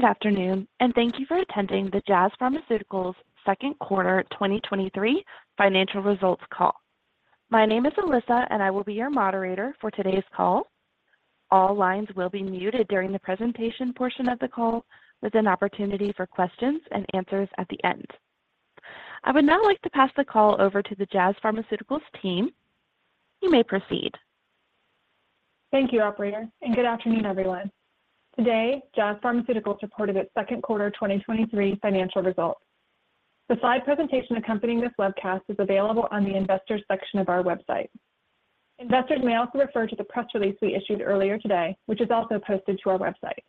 Good afternoon, thank you for attending the Jazz Pharmaceuticals second quarter 2023 financial results call. My name is Alyssa, I will be your moderator for today's call. All lines will be muted during the presentation portion of the call, with an opportunity for questions and answers at the end. I would now like to pass the call over to the Jazz Pharmaceuticals team. You may proceed. Thank you, operator. Good afternoon, everyone. Today, Jazz Pharmaceuticals reported its second quarter 2023 financial results. The slide presentation accompanying this webcast is available on the investors section of our website. Investors may also refer to the press release we issued earlier today, which is also posted to our website.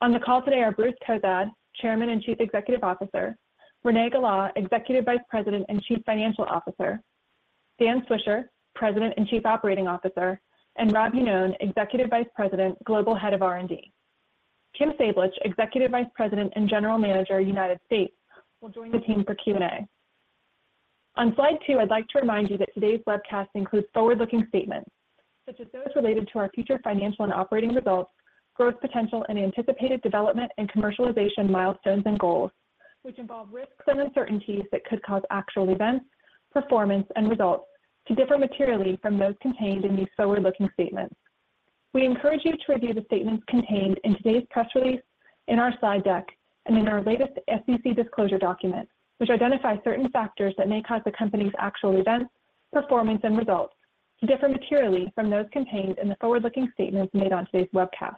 On the call today are Bruce Cozadd, Chairman and Chief Executive Officer, Renee Gala, Executive Vice President and Chief Financial Officer, Dan Swisher, President and Chief Operating Officer, and Rob Iannone, Executive Vice President, Global Head of R&D. Kim Sablich, Executive Vice President and General Manager, United States, will join the team for Q&A. On slide two, I'd like to remind you that today's webcast includes forward-looking statements, such as those related to our future financial and operating results, growth potential, and anticipated development and commercialization milestones and goals, which involve risks and uncertainties that could cause actual events, performance, and results to differ materially from those contained in these forward-looking statements. We encourage you to review the statements contained in today's press release, in our slide deck, and in our latest SEC disclosure document, which identify certain factors that may cause the company's actual events, performance, and results to differ materially from those contained in the forward-looking statements made on today's webcast.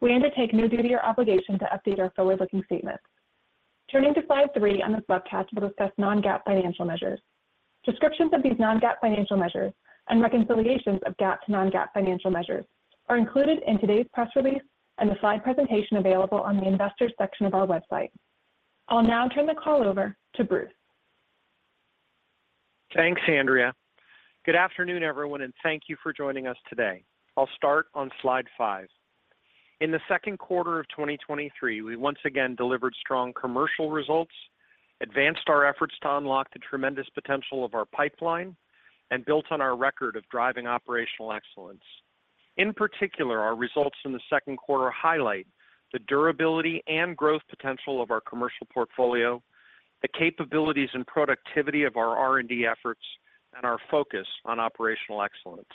We undertake no duty or obligation to update our forward-looking statements. Turning to slide three on this webcast, we'll discuss non-GAAP financial measures. Descriptions of these non-GAAP financial measures and reconciliations of GAAP to non-GAAP financial measures are included in today's press release and the slide presentation available on the investors section of our website. I'll now turn the call over to Bruce. Thanks, Andrea. Good afternoon, everyone, thank you for joining us today. I'll start on slide 5. In the second quarter of 2023, we once again delivered strong commercial results, advanced our efforts to unlock the tremendous potential of our pipeline, and built on our record of driving operational excellence. In particular, our results in the second quarter highlight the durability and growth potential of our commercial portfolio, the capabilities and productivity of our R&D efforts, and our focus on operational excellence.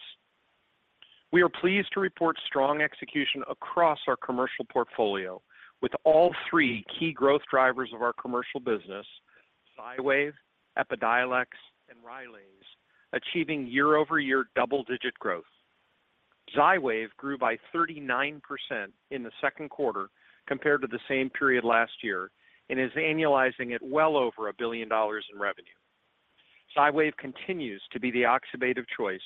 We are pleased to report strong execution across our commercial portfolio with all three key growth drivers of our commercial business, Xywav, Epidiolex, and Rylaze, achieving year-over-year double-digit growth. Xywav grew by 39% in the second quarter compared to the same period last year and is annualizing it well over $1 billion in revenue. Xywav continues to be the oxybate of choice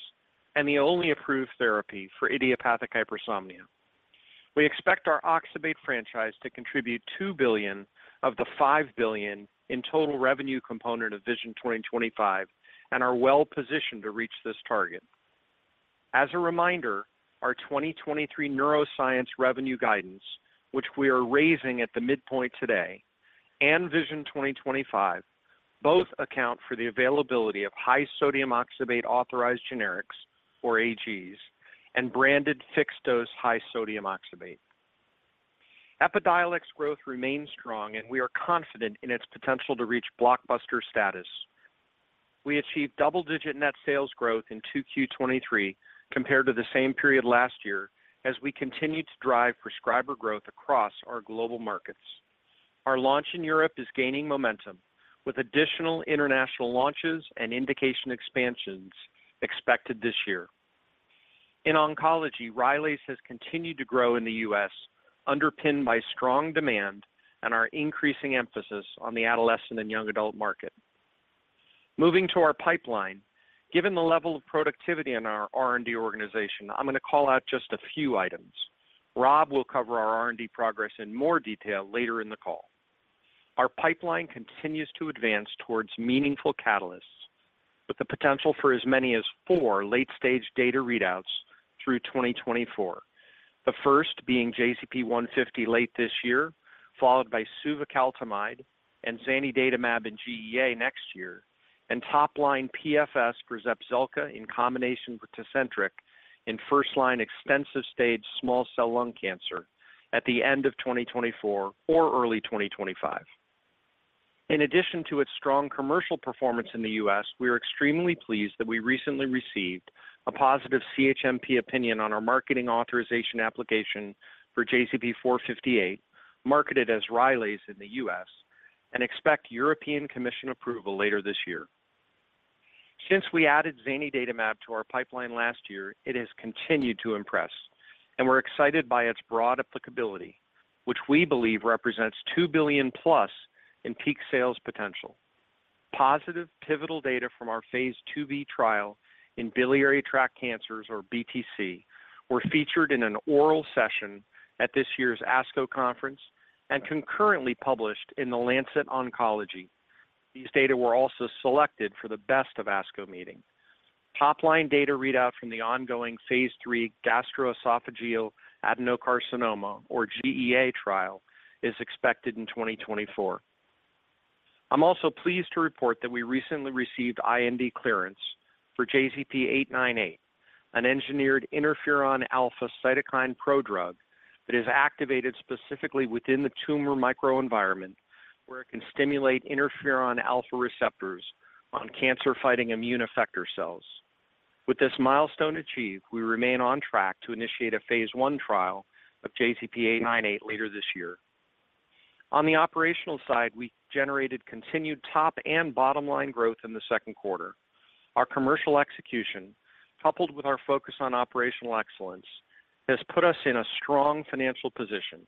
and the only approved therapy for idiopathic hypersomnia. We expect our oxybate franchise to contribute $2 billion of the $5 billion in total revenue component of Vision 2025 and are well positioned to reach this target. As a reminder, our 2023 neuroscience revenue guidance, which we are raising at the midpoint today, and Vision 2025, both account for the availability of high sodium oxybate authorized generics, or AGs, and branded fixed-dose high sodium oxybate. Epidiolex growth remains strong, and we are confident in its potential to reach blockbuster status. We achieved double-digit net sales growth in 2Q 2023 compared to the same period last year, as we continued to drive prescriber growth across our global markets. Our launch in Europe is gaining momentum, with additional international launches and indication expansions expected this year. In oncology, Rylaze has continued to grow in the U.S., underpinned by strong demand and our increasing emphasis on the adolescent and young adult market. Moving to our pipeline, given the level of productivity in our R&D organization, I'm going to call out just a few items. Rob will cover our R&D progress in more detail later in the call. Our pipeline continues to advance towards meaningful catalysts, with the potential for as many as 4 late-stage data readouts through 2024. The first being JZP150 late this year, followed by suvecaltamide and zanidatamab and GEA next year, and top-line PFS for Zepzelca in combination with Tecentriq in first-line extensive-stage small cell lung cancer at the end of 2024 or early 2025. In addition to its strong commercial performance in the U.S., we are extremely pleased that we recently received a positive CHMP opinion on our marketing authorization application for JZP458, marketed as Rylaze in the U.S., and expect European Commission approval later this year. Since we added zanidatamab to our pipeline last year, it has continued to impress, and we're excited by its broad applicability, which we believe represents $2 billion plus in peak sales potential. Positive pivotal data from our phase II-B trial in biliary tract cancers, or BTC, were featured in an oral session at this year's ASCO conference and concurrently published in The Lancet Oncology. These data were also selected for the best of ASCO meeting. Top-line data readout from the ongoing phase III gastroesophageal adenocarcinoma, or GEA trial, is expected in 2024. I'm also pleased to report that we recently received IND clearance for JZP898, an engineered interferon alpha cytokine prodrug that is activated specifically within the tumor microenvironment, where it can stimulate interferon alpha receptors on cancer-fighting immune effector cells. With this milestone achieved, we remain on track to initiate a phase I trial of JZP898 later this year. On the operational side, we generated continued top and bottom-line growth in the second quarter. Our commercial execution, coupled with our focus on operational excellence, has put us in a strong financial position,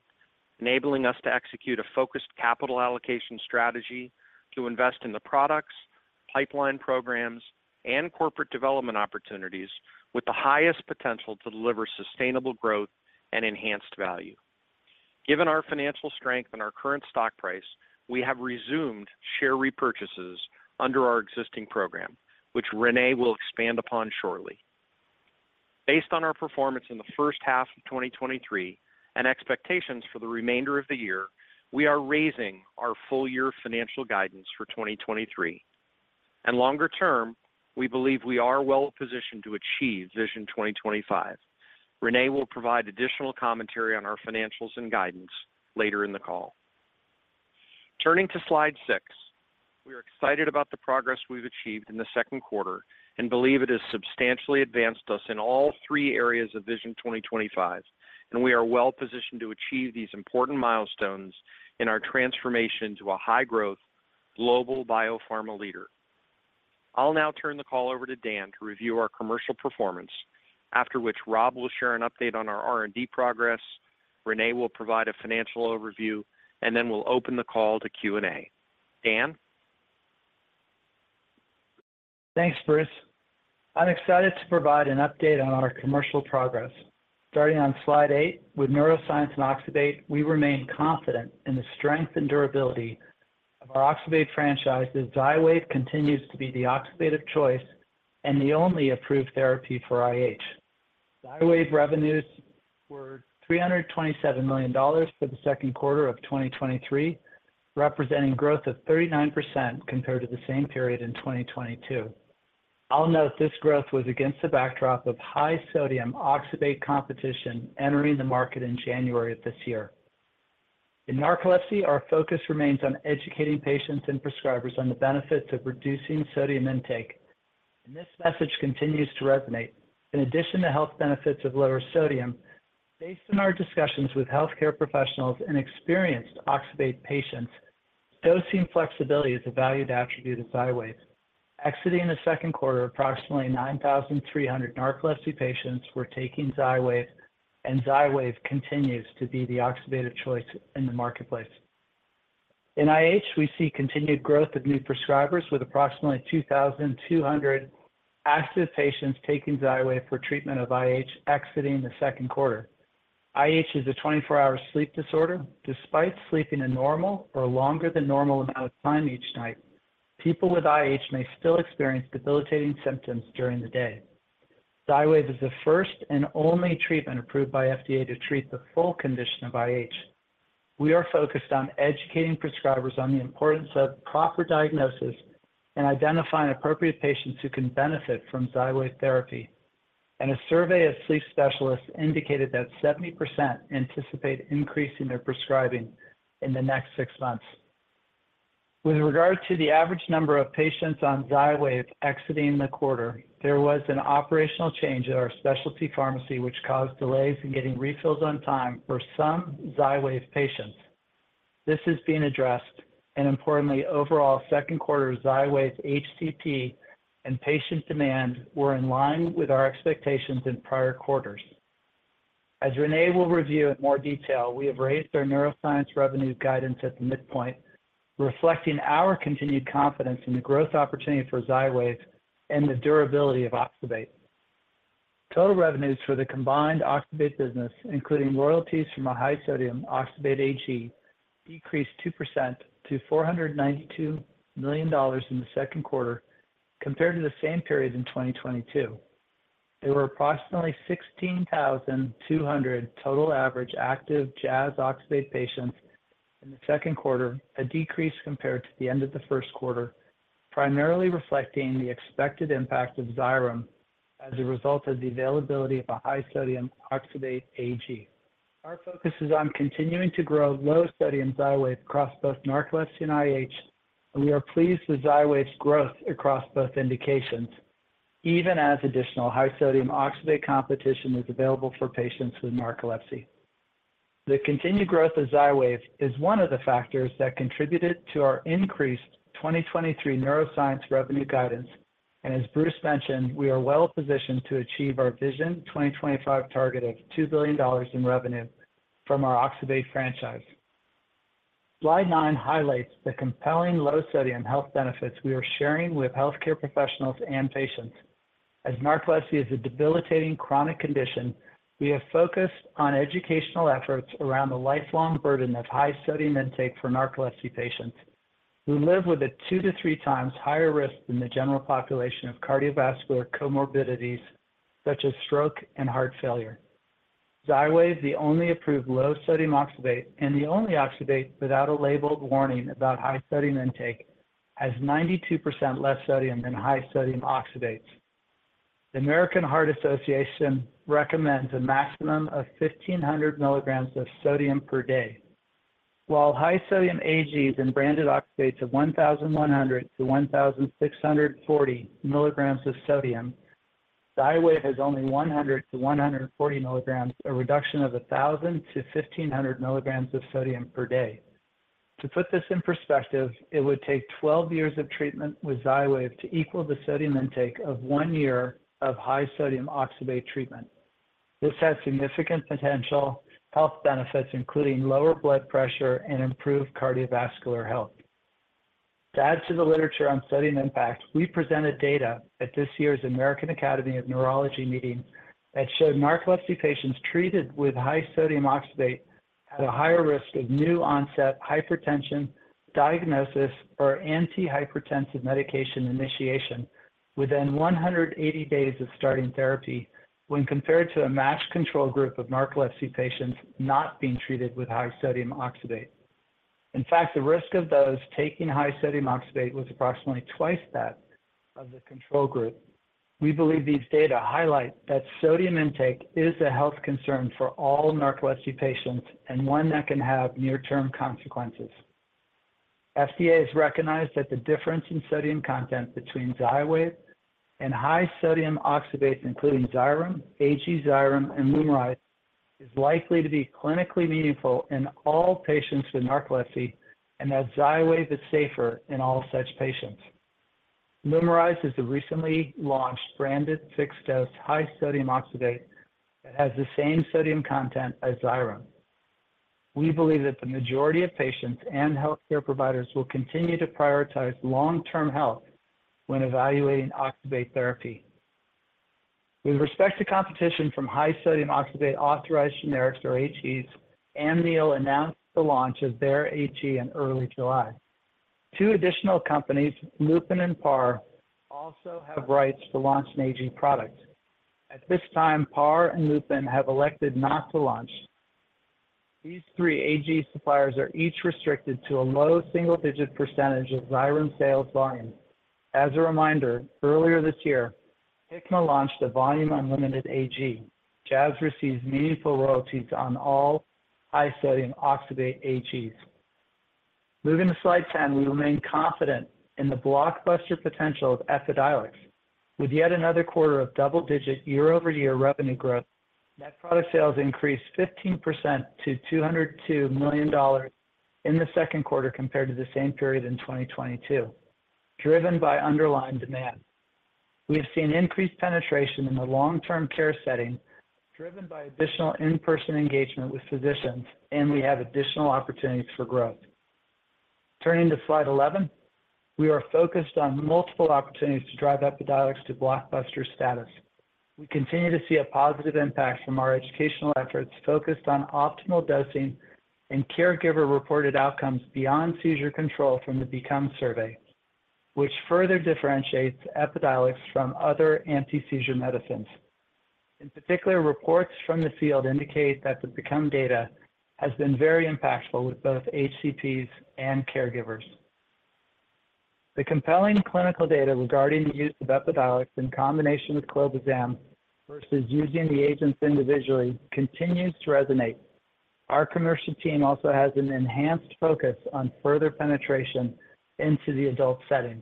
enabling us to execute a focused capital allocation strategy to invest in the products, pipeline programs, and corporate development opportunities with the highest potential to deliver sustainable growth and enhanced value. Given our financial strength and our current stock price, we have resumed share repurchases under our existing program, which Renee will expand upon shortly. Based on our performance in the first half of 2023 and expectations for the remainder of the year, we are raising our full-year financial guidance for 2023. Longer term, we believe we are well positioned to achieve Vision 2025. Renee will provide additional commentary on our financials and guidance later in the call. Turning to slide 6, we are excited about the progress we've achieved in the second quarter and believe it has substantially advanced us in all 3 areas of Vision 2025, and we are well positioned to achieve these important milestones in our transformation to a high-growth global biopharma leader. I'll now turn the call over to Dan to review our commercial performance, after which Rob will share an update on our R&D progress, Renee will provide a financial overview, and then we'll open the call to Q&A. Dan? Thanks, Bruce. I'm excited to provide an update on our commercial progress. Starting on slide 8, with neuroscience and oxybate, we remain confident in the strength and durability of our oxybate franchise, as Xywav continues to be the oxybate of choice and the only approved therapy for IH. Xywav revenues were $327 million for the second quarter of 2023, representing growth of 39% compared to the same period in 2022. I'll note this growth was against the backdrop of high-sodium oxybate competition entering the market in January of this year. In narcolepsy, our focus remains on educating patients and prescribers on the benefits of reducing sodium intake, this message continues to resonate. In addition to health benefits of lower sodium, based on our discussions with Health Care Professionals and experienced oxybate patients, dosing flexibility is a valued attribute of Xywav. Exiting the second quarter, approximately 9,300 narcolepsy patients were taking Xywav, and Xywav continues to be the oxybate of choice in the marketplace. In IH, we see continued growth of new prescribers, with approximately 2,200 active patients taking Xywav for treatment of IH exiting the second quarter. IH is a 24-hour sleep disorder. Despite sleeping a normal or longer than normal amount of time each night, people with IH may still experience debilitating symptoms during the day. Xywav is the first and only treatment approved by FDA to treat the full condition of IH. We are focused on educating prescribers on the importance of proper diagnosis and identifying appropriate patients who can benefit from Xywav therapy. A survey of sleep specialists indicated that 70% anticipate increasing their prescribing in the next six months. With regard to the average number of patients on Xywav exiting the quarter, there was an operational change at our specialty pharmacy, which caused delays in getting refills on time for some Xywav patients. This is being addressed, and importantly, overall second quarter Xywav HCP and patient demand were in line with our expectations in prior quarters. As Renee will review in more detail, we have raised our neuroscience revenue guidance at the midpoint, reflecting our continued confidence in the growth opportunity for Xywav and the durability of oxybate. Total revenues for the combined oxybate business, including royalties from a high-sodium oxybate AG, decreased 2% to $492 million in the second quarter compared to the same period in 2022. There were approximately 16,200 total average active Jazz oxybate patients in the second quarter, a decrease compared to the end of the first quarter, primarily reflecting the expected impact of Xyrem as a result of the availability of a high-sodium oxybate AG. Our focus is on continuing to grow low-sodium Xywav across both narcolepsy and IH, and we are pleased with Xywav's growth across both indications, even as additional high-sodium oxybate competition is available for patients with narcolepsy. The continued growth of Xywav is one of the factors that contributed to our increased 2023 neuroscience revenue guidance, and as Bruce mentioned, we are well positioned to achieve our Vision 2025 target of $2 billion in revenue from our oxybate franchise. Slide 9 highlights the compelling low-sodium health benefits we are sharing with healthcare professionals and patients. As narcolepsy is a debilitating chronic condition, we have focused on educational efforts around the lifelong burden of high-sodium intake for narcolepsy patients, who live with a 2 to 3 times higher risk than the general population of cardiovascular comorbidities such as stroke and heart failure. Xywav, the only approved low sodium oxybate and the only oxybate without a labeled warning about high sodium intake, has 92% less sodium than high sodium oxybates. The American Heart Association recommends a maximum of 1,500 milligrams of sodium per day. While high sodium AGs and branded oxybates of 1,100 to 1,640 milligrams of sodium, Xywav has only 100 to 140 milligrams, a reduction of 1,000 to 1,500 milligrams of sodium per day. To put this in perspective, it would take 12 years of treatment with Xywav to equal the sodium intake of one year of high sodium oxybate treatment. This has significant potential health benefits, including lower blood pressure and improved cardiovascular health. To add to the literature on sodium impact, we presented data at this year's American Academy of Neurology Meeting that showed narcolepsy patients treated with high sodium oxybate had a higher risk of new-onset hypertension, diagnosis, or antihypertensive medication initiation within 180 days of starting therapy when compared to a matched control group of narcolepsy patients not being treated with high sodium oxybate. In fact, the risk of those taking high sodium oxybate was approximately twice that of the control group. We believe these data highlight that sodium intake is a health concern for all narcolepsy patients and one that can have near-term consequences. FDA has recognized that the difference in sodium content between Xywav and high sodium oxybate, including Xyrem, AG Xyrem, and Lumryz, is likely to be clinically meaningful in all patients with narcolepsy, and that Xywav is safer in all such patients. Lumryz is the recently launched branded 6-dose high sodium oxybate that has the same sodium content as Xyrem. We believe that the majority of patients and healthcare providers will continue to prioritize long-term health when evaluating oxybate therapy. With respect to competition from high sodium oxybate, authorized generics or AGs, Amneal announced the launch of their AG in early July. Two additional companies, Lupin and Par, also have rights to launch an AG product. At this time, Par and Lupin have elected not to launch. These three AG suppliers are each restricted to a low single-digit percent of Xyrem sales volume. As a reminder, earlier this year, Hikma launched a volume unlimited AG. Jazz receives meaningful royalties on all high sodium oxybate AGs. Moving to slide 10, we remain confident in the blockbuster potential of Epidiolex. With yet another quarter of double-digit year-over-year revenue growth, net product sales increased 15% to $202 million in the second quarter compared to the same period in 2022, driven by underlying demand. We have seen increased penetration in the long-term care setting, driven by additional in-person engagement with physicians, we have additional opportunities for growth. Turning to slide 11, we are focused on multiple opportunities to drive Epidiolex to blockbuster status. We continue to see a positive impact from our educational efforts focused on optimal dosing and caregiver-reported outcomes beyond seizure control from the BECOME Survey, which further differentiates Epidiolex from other anti-seizure medicines. In particular, reports from the field indicate that the BECOME data has been very impactful with both HCPs and caregivers. The compelling clinical data regarding the use of Epidiolex in combination with clobazam versus using the agents individually continues to resonate. Our commercial team also has an enhanced focus on further penetration into the adult setting.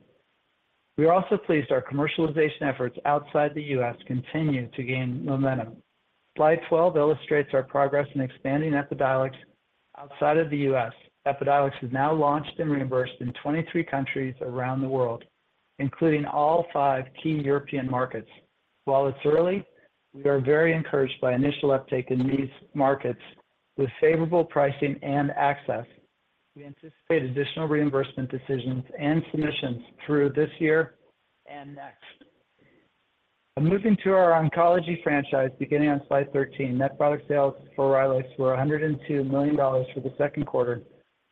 We are also pleased our commercialization efforts outside the U.S. continue to gain momentum. Slide 12 illustrates our progress in expanding Epidiolex outside of the U.S.. Epidiolex is now launched and reimbursed in 23 countries around the world, including all five key European markets. While it's early, we are very encouraged by initial uptake in these markets with favorable pricing and access. We anticipate additional reimbursement decisions and submissions through this year and next. Moving to our oncology franchise, beginning on slide 13, net product sales for Rylaze were $102 million for the second quarter,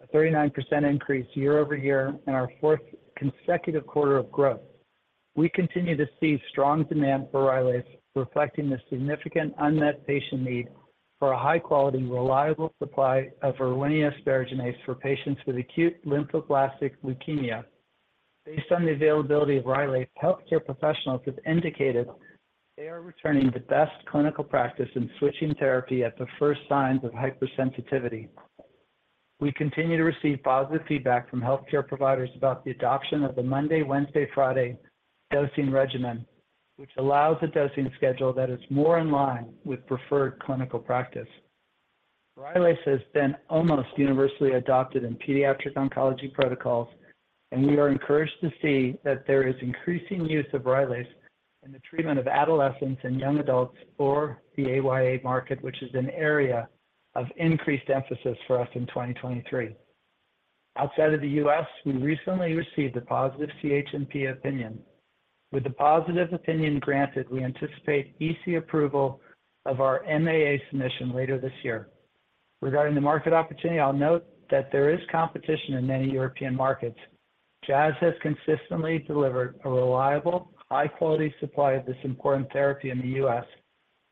a 39% increase year-over-year, our fourth consecutive quarter of growth. We continue to see strong demand for Rylaze, reflecting the significant unmet patient need for a high-quality, reliable supply of Erwinia asparaginase for patients with acute lymphoblastic leukemia. Based on the availability of Rylaze, healthcare professionals have indicated they are returning to best clinical practice in switching therapy at the first signs of hypersensitivity. We continue to receive positive feedback from healthcare providers about the adoption of the Monday, Wednesday, Friday dosing regimen, which allows a dosing schedule that is more in line with preferred clinical practice. Rylaze has been almost universally adopted in pediatric oncology protocols. We are encouraged to see that there is increasing use of Rylaze in the treatment of adolescents and young adults for the AYA market, which is an area of increased emphasis for us in 2023. Outside of the U.S., we recently received a positive CHMP opinion. With the positive opinion granted, we anticipate E.C. approval of our MAA submission later this year. Regarding the market opportunity, I'll note that there is competition in many European markets. Jazz has consistently delivered a reliable, high-quality supply of this important therapy in the U.S.,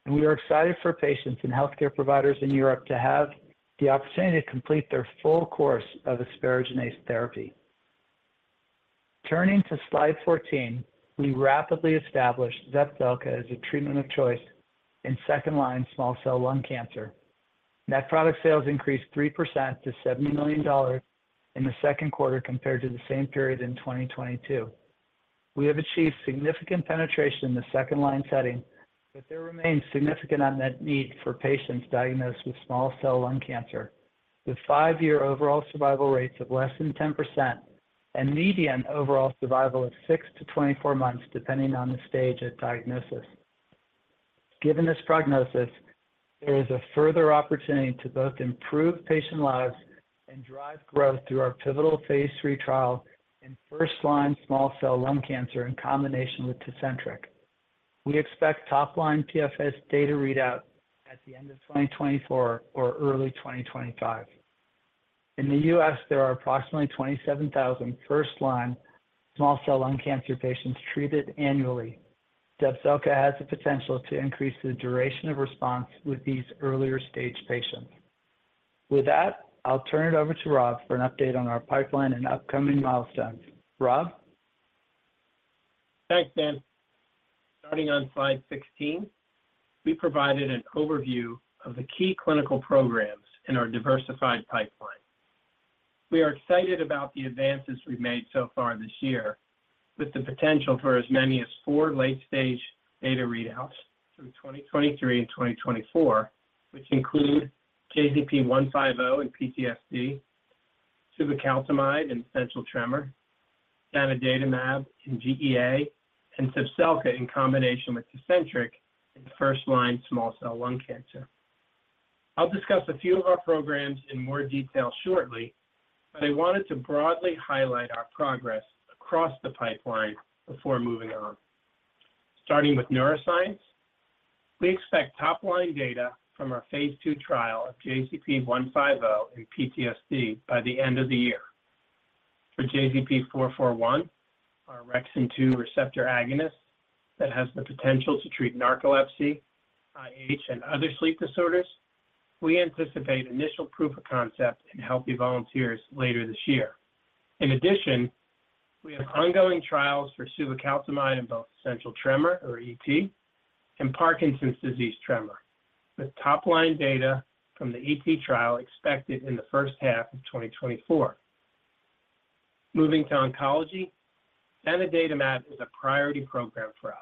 and we are excited for patients and healthcare providers in Europe to have the opportunity to complete their full course of asparaginase therapy. Turning to slide 14, we rapidly established Zepzelca as a treatment of choice in second-line small cell lung cancer. Net product sales increased 3% to $70 million in the second quarter compared to the same period in 2022. There remains significant unmet need for patients diagnosed with small cell lung cancer, with 5-year overall survival rates of less than 10% and median overall survival of 6-24 months, depending on the stage at diagnosis. Given this prognosis, there is a further opportunity to both improve patient lives and drive growth through our pivotal phase III trial in first-line small cell lung cancer in combination with Tecentriq. We expect top-line PFS data readout at the end of 2024 or early 2025. In the U.S., there are approximately 27,000 first-line small cell lung cancer patients treated annually. Zepzelca has the potential to increase the duration of response with these earlier-stage patients. With that, I'll turn it over to Rob for an update on our pipeline and upcoming milestones. Rob? Thanks, Dan. Starting on slide 16, we provided an overview of the key clinical programs in our diversified pipeline. We are excited about the advances we've made so far this year, with the potential for as many as four late-stage data readouts through 2023 and 2024, which include JZP150 in PTSD, suvecaltamide in essential tremor, zanidatamab in GEA, and Zepzelca in combination with Tecentriq in first-line small cell lung cancer. I'll discuss a few of our programs in more detail shortly, but I wanted to broadly highlight our progress across the pipeline before moving on. Starting with neuroscience, we expect top-line data from our phase II trial of JZP150 in PTSD by the end of the year. For JZP441, our orexin-2 receptor agonist that has the potential to treat narcolepsy, IH, and other sleep disorders, we anticipate initial proof of concept in healthy volunteers later this year. In addition, we have ongoing trials for suvecaltamide in both essential tremor or ET and Parkinson's disease tremor, with top-line data from the ET trial expected in the first half of 2024. Moving to oncology, zanidatamab is a priority program for us.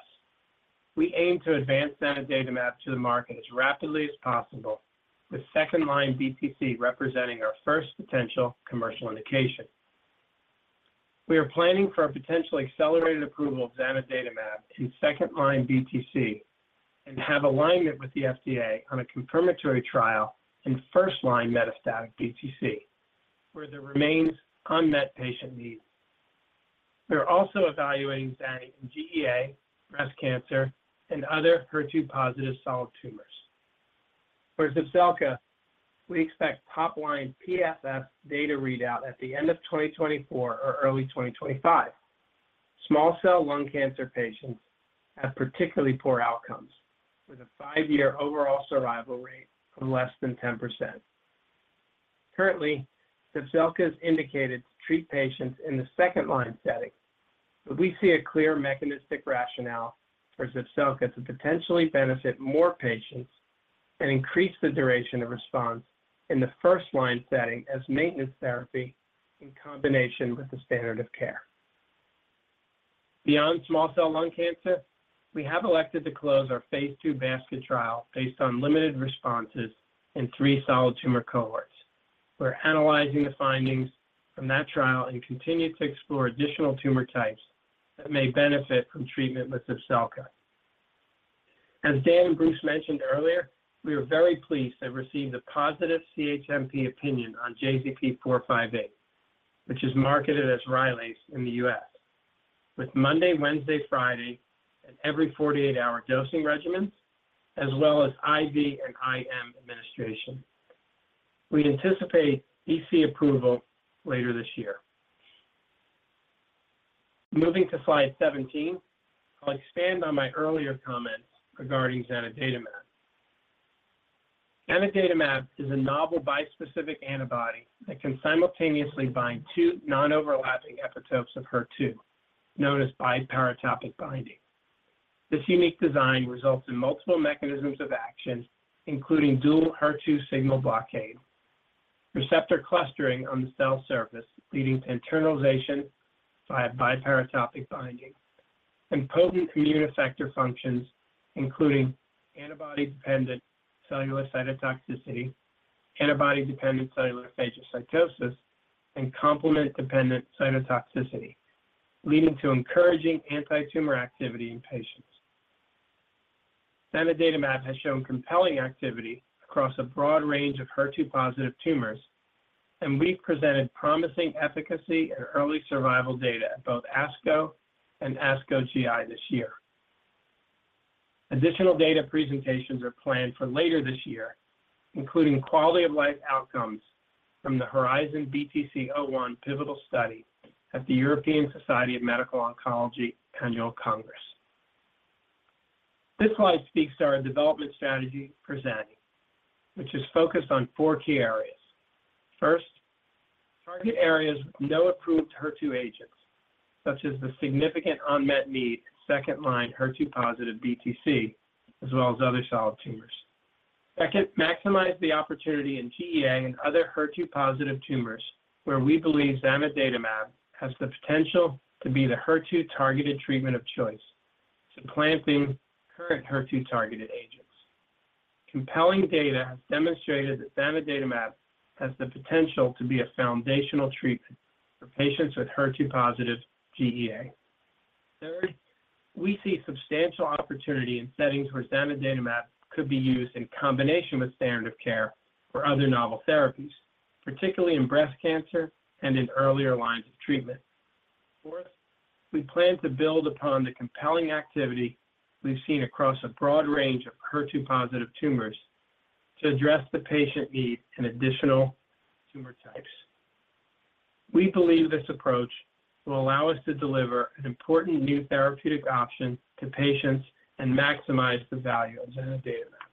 We aim to advance zanidatamab to the market as rapidly as possible, with second-line BTC representing our first potential commercial indication. We are planning for a potentially accelerated approval of zanidatamab in second-line BTC and have alignment with the FDA on a confirmatory trial in first-line metastatic BTC, where there remains unmet patient needs. We are also evaluating zani in GEA, breast cancer, and other HER2-positive solid tumors. For Zepzelca, we expect top-line PFS data readout at the end of 2024 or early 2025. Small cell lung cancer patients have particularly poor outcomes, with a five-year overall survival rate of less than 10%. Currently, Zepzelca is indicated to treat patients in the second-line setting. We see a clear mechanistic rationale for Zepzelca to potentially benefit more patients and increase the duration of response in the first-line setting as maintenance therapy in combination with the standard of care. Beyond small cell lung cancer, we have elected to close our phase II Basket trial based on limited responses in 3 solid tumor cohorts. We're analyzing the findings from that trial and continue to explore additional tumor types that may benefit from treatment with Zepzelca. As Dan and Bruce mentioned earlier, we are very pleased to have received a positive CHMP opinion on JZP458, which is marketed as Rylaze in the U.S., with Monday, Wednesday, Friday, and every 48-hour dosing regimens, as well as IV and IM administration. We anticipate EC approval later this year. Moving to slide 17, I'll expand on my earlier comments regarding zanidatamab. Zanidatamab is a novel bispecific antibody that can simultaneously bind two non-overlapping epitopes of HER2, known as bi-paratope binding. This unique design results in multiple mechanisms of action, including dual HER2 signal blockade, receptor clustering on the cell surface, leading to internalization by bi-paratope binding, and potent immune effector functions, including antibody-dependent cellular cytotoxicity, antibody-dependent cellular phagocytosis, and complement-dependent cytotoxicity, leading to encouraging antitumor activity in patients. Zanidatamab has shown compelling activity across a broad range of HER2-positive tumors, and we've presented promising efficacy and early survival data at both ASCO and ASCO GI this year. Additional data presentations are planned for later this year, including quality of life outcomes from the HERIZON-BTC-01 pivotal study at the European Society for Medical Oncology Annual Congress. This slide speaks to our development strategy for zani, which is focused on four key areas. First, target areas with no approved HER2 agents, such as the significant unmet need second-line HER2-positive BTC, as well as other solid tumors. Second, maximize the opportunity in GEA and other HER2-positive tumors, where we believe zanidatamab has the potential to be the HER2-targeted treatment of choice, supplanting current HER2-targeted agents. Compelling data has demonstrated that zanidatamab has the potential to be a foundational treatment for patients with HER2-positive GEA. Third, we see substantial opportunity in settings where zanidatamab could be used in combination with standard of care for other novel therapies, particularly in breast cancer and in earlier lines of treatment. Fourth, we plan to build upon the compelling activity we've seen across a broad range of HER2-positive tumors to address the patient needs in additional tumor types. We believe this approach will allow us to deliver an important new therapeutic option to patients and maximize the value of zanidatamab.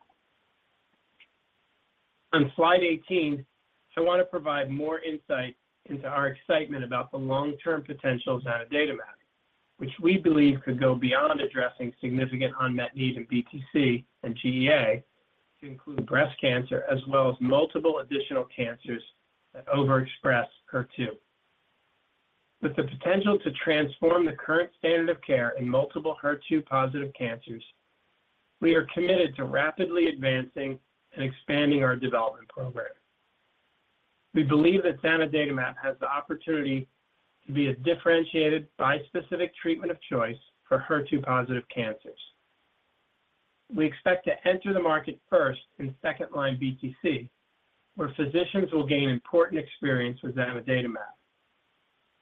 On slide 18, I want to provide more insight into our excitement about the long-term potential of zanidatamab, which we believe could go beyond addressing significant unmet need in BTC and GEA to include breast cancer, as well as multiple additional cancers that overexpress HER2. With the potential to transform the current standard of care in multiple HER2 positive cancers, we are committed to rapidly advancing and expanding our development program. We believe that zanidatamab has the opportunity to be a differentiated bispecific treatment of choice for HER2 positive cancers. We expect to enter the market first in second-line BTC, where physicians will gain important experience with zanidatamab.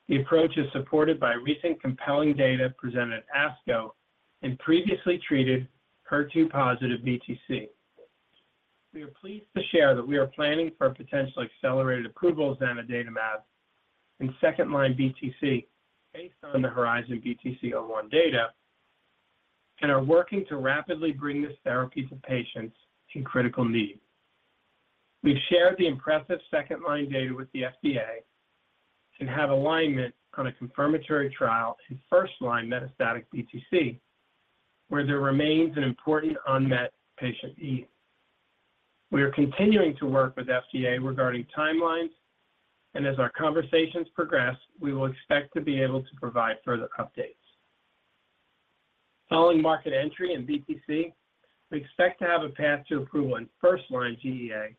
The approach is supported by recent compelling data presented at ASCO in previously treated HER2 positive BTC. We are pleased to share that we are planning for a potential accelerated approval of zanidatamab in second-line BTC based on the HERIZON-BTC-01 data and are working to rapidly bring this therapy to patients in critical need. We've shared the impressive second-line data with the FDA and have alignment on a confirmatory trial in first-line metastatic BTC, where there remains an important unmet patient need. We are continuing to work with FDA regarding timelines, and as our conversations progress, we will expect to be able to provide further updates. Following market entry in BTC, we expect to have a path to approval in first-line GEA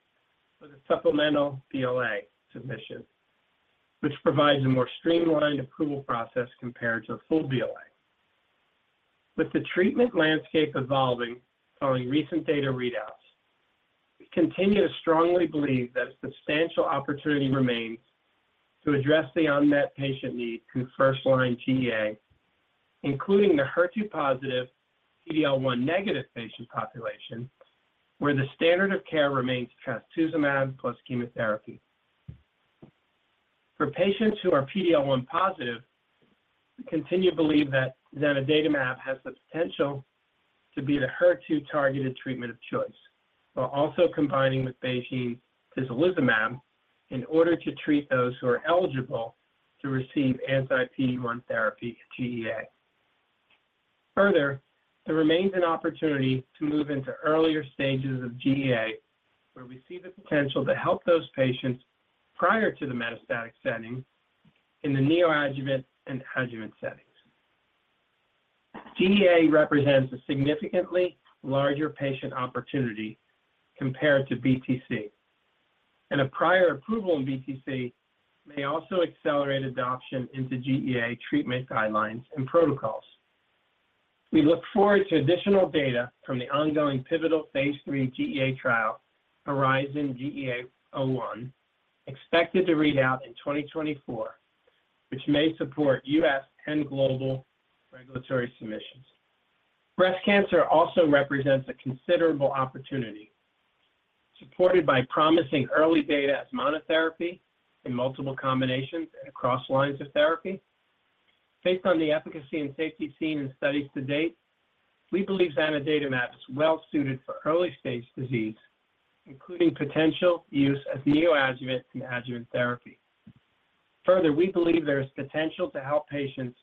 with a supplemental BLA submission, which provides a more streamlined approval process compared to a full BLA. With the treatment landscape evolving following recent data readouts, we continue to strongly believe that substantial opportunity remains to address the unmet patient need in first-line GEA, including the HER2 positive, PD-L1 negative patient population, where the standard of care remains trastuzumab plus chemotherapy. For patients who are PD-L1 positive, we continue to believe that zanidatamab has the potential to be the HER2-targeted treatment of choice, while also combining with BeiGene's tislelizumab in order to treat those who are eligible to receive anti-PD-1 therapy in GEA. Further, there remains an opportunity to move into earlier stages of GEA, where we see the potential to help those patients prior to the metastatic setting in the neoadjuvant and adjuvant settings. GEA represents a significantly larger patient opportunity compared to BTC, and a prior approval in BTC may also accelerate adoption into GEA treatment guidelines and protocols. We look forward to additional data from the ongoing pivotal phase III GEA trial, HERIZON-GEA-01, expected to read out in 2024, which may support U.S. and global regulatory submissions. Breast cancer also represents a considerable opportunity, supported by promising early data as monotherapy in multiple combinations and across lines of therapy. Based on the efficacy and safety seen in studies to date, we believe zanidatamab is well suited for early-stage disease, including potential use as neoadjuvant and adjuvant therapy. Further, we believe there is potential to help patients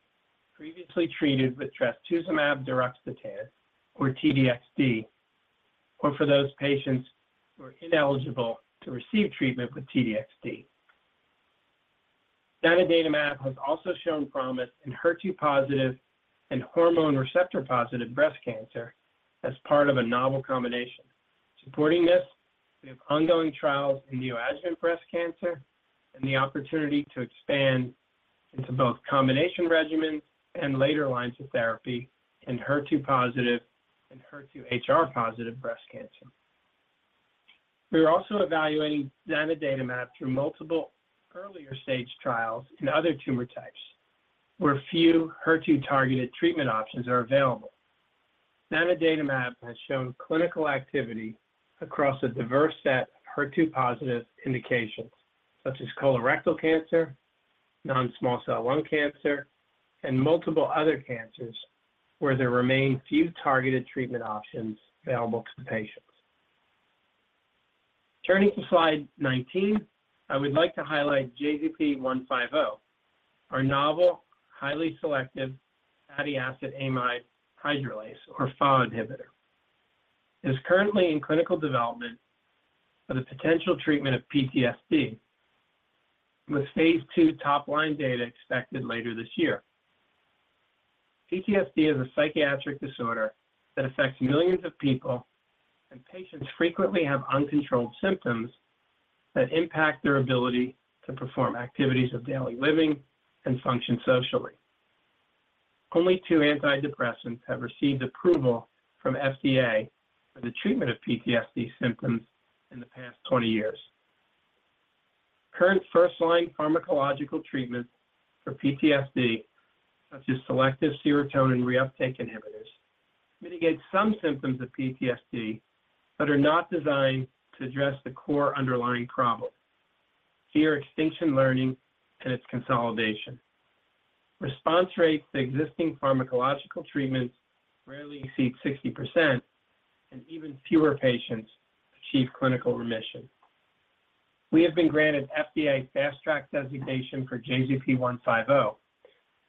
previously treated with trastuzumab deruxtecan, or T-DXd, or for those patients who are ineligible to receive treatment with T-DXd. Zanidatamab has also shown promise in HER2 positive and hormone receptor-positive breast cancer as part of a novel combination. Supporting this, we have ongoing trials in neoadjuvant breast cancer and the opportunity to expand into both combination regimens and later lines of therapy in HER2 positive and HER2-HR positive breast cancer. We are also evaluating zanidatamab through multiple earlier-stage trials in other tumor types where few HER2-targeted treatment options are available. Zanidatamab has shown clinical activity across a diverse set of HER2-positive indications, such as colorectal cancer, non-small cell lung cancer, and multiple other cancers where there remain few targeted treatment options available to the patients. Turning to slide 19, I would like to highlight JZP150, our novel, highly selective fatty acid amide hydrolase or FAAH inhibitor. It is currently in clinical development for the potential treatment of PTSD, with phase II top-line data expected later this year. PTSD is a psychiatric disorder that affects millions of people, and patients frequently have uncontrolled symptoms that impact their ability to perform activities of daily living and function socially. Only 2 antidepressants have received approval from FDA for the treatment of PTSD symptoms in the past 20 years. Current first-line pharmacological treatments for PTSD, such as selective serotonin reuptake inhibitors, mitigate some symptoms of PTSD but are not designed to address the core underlying problem, fear extinction learning, and its consolidation. Response rates to existing pharmacological treatments rarely exceed 60%, and even fewer patients achieve clinical remission. We have been granted FDA Fast Track designation for JZP150,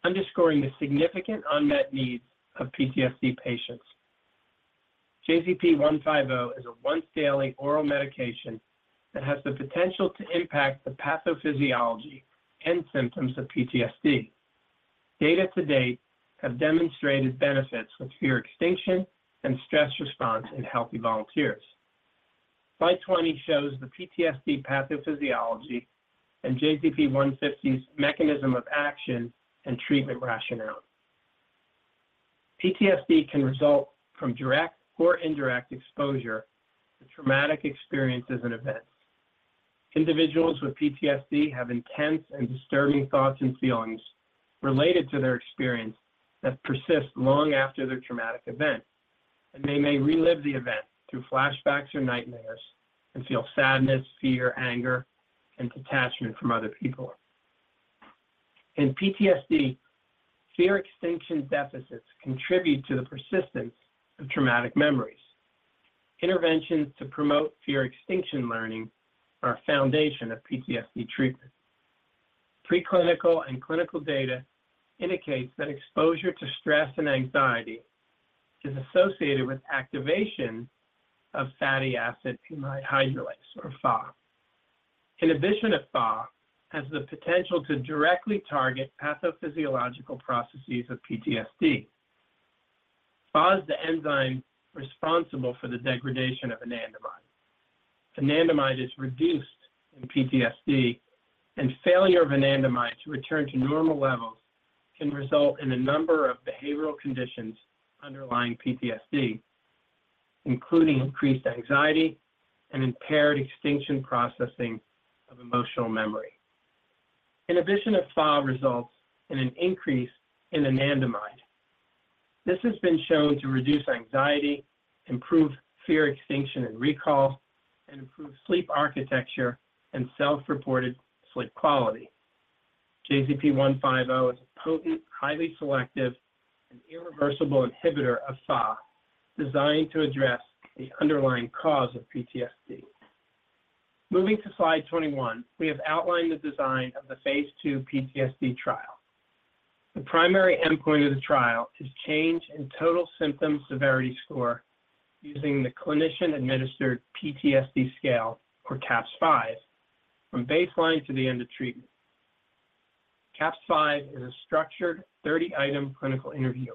underscoring the significant unmet needs of PTSD patients. JZP150 is a once-daily oral medication that has the potential to impact the pathophysiology and symptoms of PTSD. Data to date have demonstrated benefits with fear extinction and stress response in healthy volunteers. Slide 20 shows the PTSD pathophysiology and JZP150's mechanism of action and treatment rationale. PTSD can result from direct or indirect exposure to traumatic experiences and events. Individuals with PTSD have intense and disturbing thoughts and feelings related to their experience that persist long after the traumatic event, and they may relive the event through flashbacks or nightmares and feel sadness, fear, anger, and detachment from other people. In PTSD, fear extinction deficits contribute to the persistence of traumatic memories. Interventions to promote fear extinction learning are a foundation of PTSD treatment. Preclinical and clinical data indicates that exposure to stress and anxiety is associated with activation of fatty acid amide hydrolase or FAAH. Inhibition of FAAH has the potential to directly target pathophysiological processes of PTSD. FAAH is the enzyme responsible for the degradation of anandamide. Anandamide is reduced in PTSD, and failure of anandamide to return to normal levels can result in a number of behavioral conditions underlying PTSD, including increased anxiety and impaired extinction processing of emotional memory. Inhibition of FAAH results in an increase in anandamide. This has been shown to reduce anxiety, improve fear extinction and recall, and improve sleep architecture and self-reported sleep quality. JZP150 is a potent, highly selective, and irreversible inhibitor of FAAH, designed to address the underlying cause of PTSD. Moving to slide 21, we have outlined the design of the phase II PTSD trial. The primary endpoint of the trial is change in total symptom severity score using the clinician-administered PTSD scale, or CAPS-5, from baseline to the end of treatment. CAPS-5 is a structured 30-item clinical interview.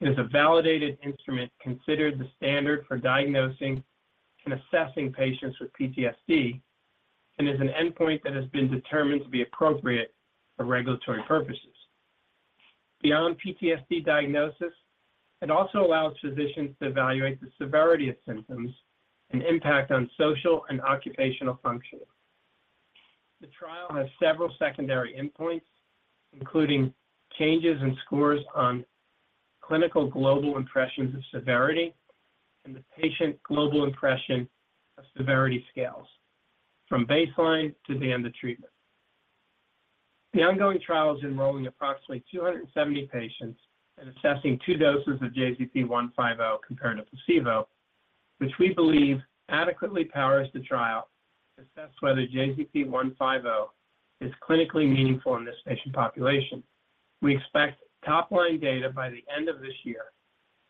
It is a validated instrument considered the standard for diagnosing and assessing patients with PTSD and is an endpoint that has been determined to be appropriate for regulatory purposes. Beyond PTSD diagnosis, it also allows physicians to evaluate the severity of symptoms and impact on social and occupational function. The trial has several secondary endpoints, including changes in scores on clinical global impressions of severity and the patient global impression of severity scales from baseline to the end of treatment. The ongoing trial is enrolling approximately 270 patients and assessing two doses of JZP150 compared to placebo, which we believe adequately powers the trial to assess whether JZP150 is clinically meaningful in this patient population. We expect top-line data by the end of this year.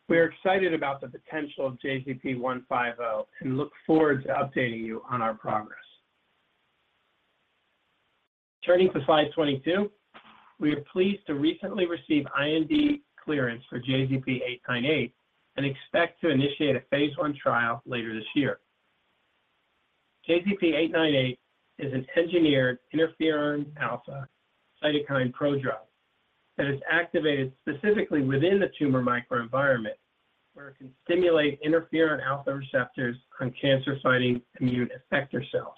We are excited about the potential of JZP150 and look forward to updating you on our progress. Turning to slide 22, we are pleased to recently receive IND clearance for JZP898 and expect to initiate a phase I trial later this year. JZP898 is an engineered interferon alpha cytokine prodrug that is activated specifically within the tumor microenvironment, where it can stimulate interferon alpha receptors on cancer-fighting immune effector cells.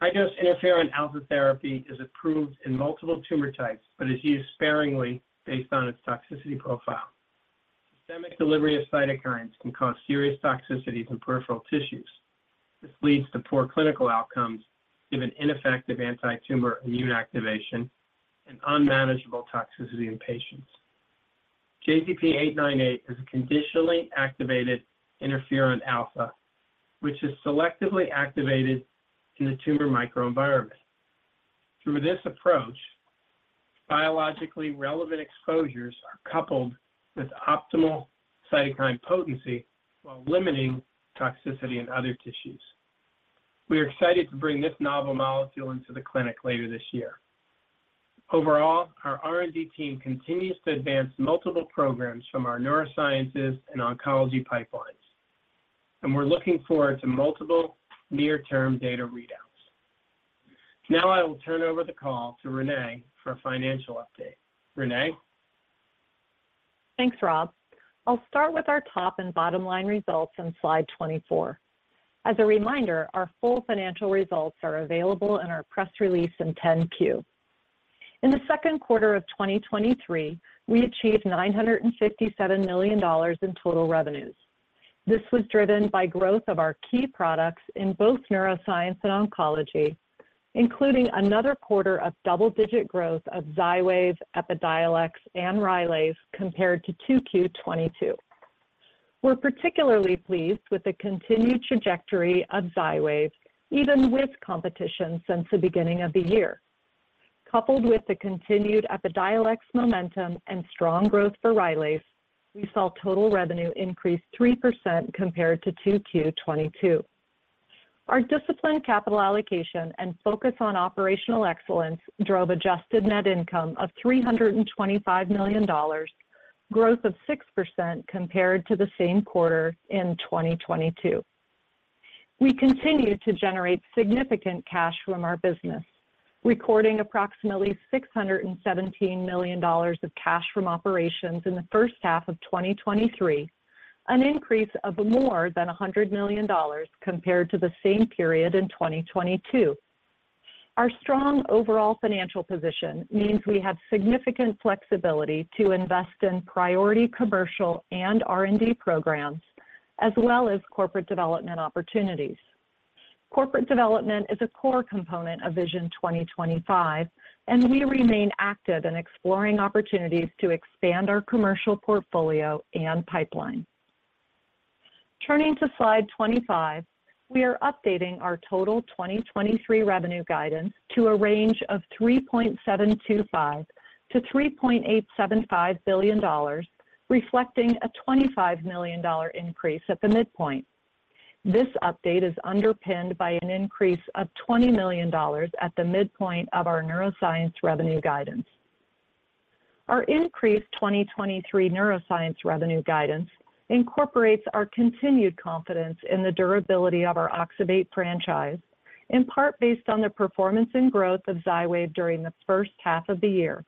High-dose interferon alpha therapy is approved in multiple tumor types, but is used sparingly based on its toxicity profile. Systemic delivery of cytokines can cause serious toxicities in peripheral tissues. This leads to poor clinical outcomes given ineffective antitumor immune activation and unmanageable toxicity in patients. JZP898 is a conditionally activated interferon alpha, which is selectively activated in the tumor microenvironment. Through this approach, biologically relevant exposures are coupled with optimal cytokine potency while limiting toxicity in other tissues. We are excited to bring this novel molecule into the clinic later this year. Overall, our R&D team continues to advance multiple programs from our neurosciences and oncology pipelines, we're looking forward to multiple near-term data readouts. Now I will turn over the call to Renee for a financial update. Renee? Thanks, Rob. I'll start with our top and bottom line results on slide 24. As a reminder, our full financial results are available in our press release in 10-Q. In the second quarter of 2023, we achieved $957 million in total revenues. This was driven by growth of our key products in both neuroscience and oncology, including another quarter of double-digit growth of Xywav, Epidiolex, and Rylaze compared to 2Q 2022. We're particularly pleased with the continued trajectory of Xywav, even with competition since the beginning of the year. Coupled with the continued Epidiolex momentum and strong growth for Rylaze, we saw total revenue increase 3% compared to 2Q 2022. Our disciplined capital allocation and focus on operational excellence drove adjusted net income of $325 million, growth of 6% compared to the same quarter in 2022. We continued to generate significant cash from our business, recording approximately $617 million of cash from operations in the first half of 2023, an increase of more than $100 million compared to the same period in 2022. Our strong overall financial position means we have significant flexibility to invest in priority commercial and R&D programs, as well as corporate development opportunities. Corporate development is a core component of Vision 2025, and we remain active in exploring opportunities to expand our commercial portfolio and pipeline. Turning to slide 25, we are updating our total 2023 revenue guidance to a range of $3.725 billion-$3.875 billion, reflecting a $25 million increase at the midpoint. This update is underpinned by an increase of $20 million at the midpoint of our neuroscience revenue guidance. Our increased 2023 neuroscience revenue guidance incorporates our continued confidence in the durability of our oxybate franchise, in part based on the performance and growth of Xywav during the first half of the year,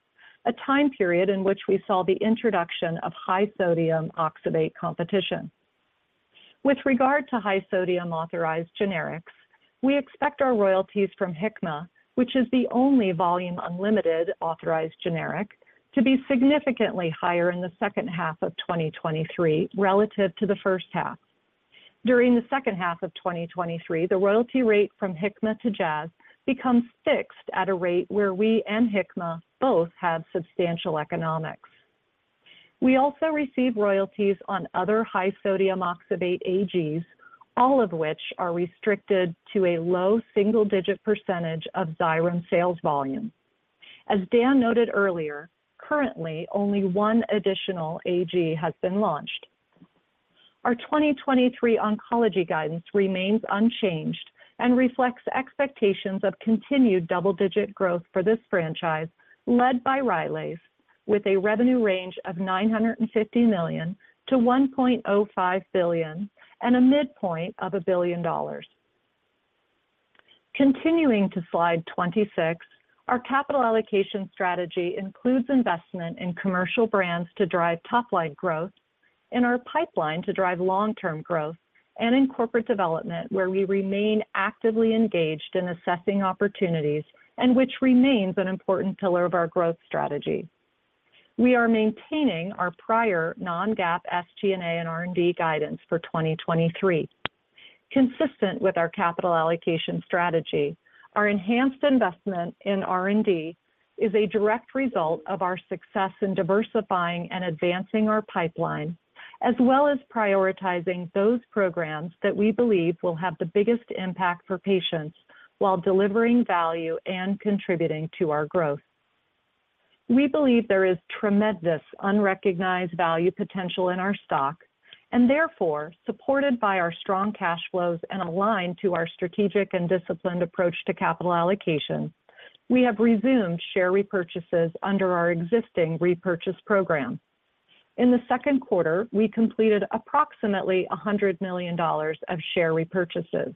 a time period in which we saw the introduction of high-sodium oxybate competition. With regard to high-sodium authorized generics, we expect our royalties from Hikma, which is the only volume unlimited authorized generic, to be significantly higher in the second half of 2023 relative to the first half. During the second half of 2023, the royalty rate from Hikma to Jazz becomes fixed at a rate where we and Hikma both have substantial economics. We also receive royalties on other high-sodium oxybate AGs, all of which are restricted to a low single-digit percentage of Xyrem sales volume. As Dan noted earlier, currently, only one additional AG has been launched. Our 2023 oncology guidance remains unchanged and reflects expectations of continued double-digit growth for this franchise, led by Rylaze, with a revenue range of $950 million-$1.05 billion, and a midpoint of $1 billion. Continuing to slide 26, our capital allocation strategy includes investment in commercial brands to drive top-line growth, in our pipeline to drive long-term growth, and in corporate development, where we remain actively engaged in assessing opportunities and which remains an important pillar of our growth strategy. We are maintaining our prior non-GAAP SG&A and R&D guidance for 2023. Consistent with our capital allocation strategy, our enhanced investment in R&D is a direct result of our success in diversifying and advancing our pipeline, as well as prioritizing those programs that we believe will have the biggest impact for patients while delivering value and contributing to our growth. Therefore, supported by our strong cash flows and aligned to our strategic and disciplined approach to capital allocation, we have resumed share repurchases under our existing repurchase program. In the second quarter, we completed approximately $100 million of share repurchases.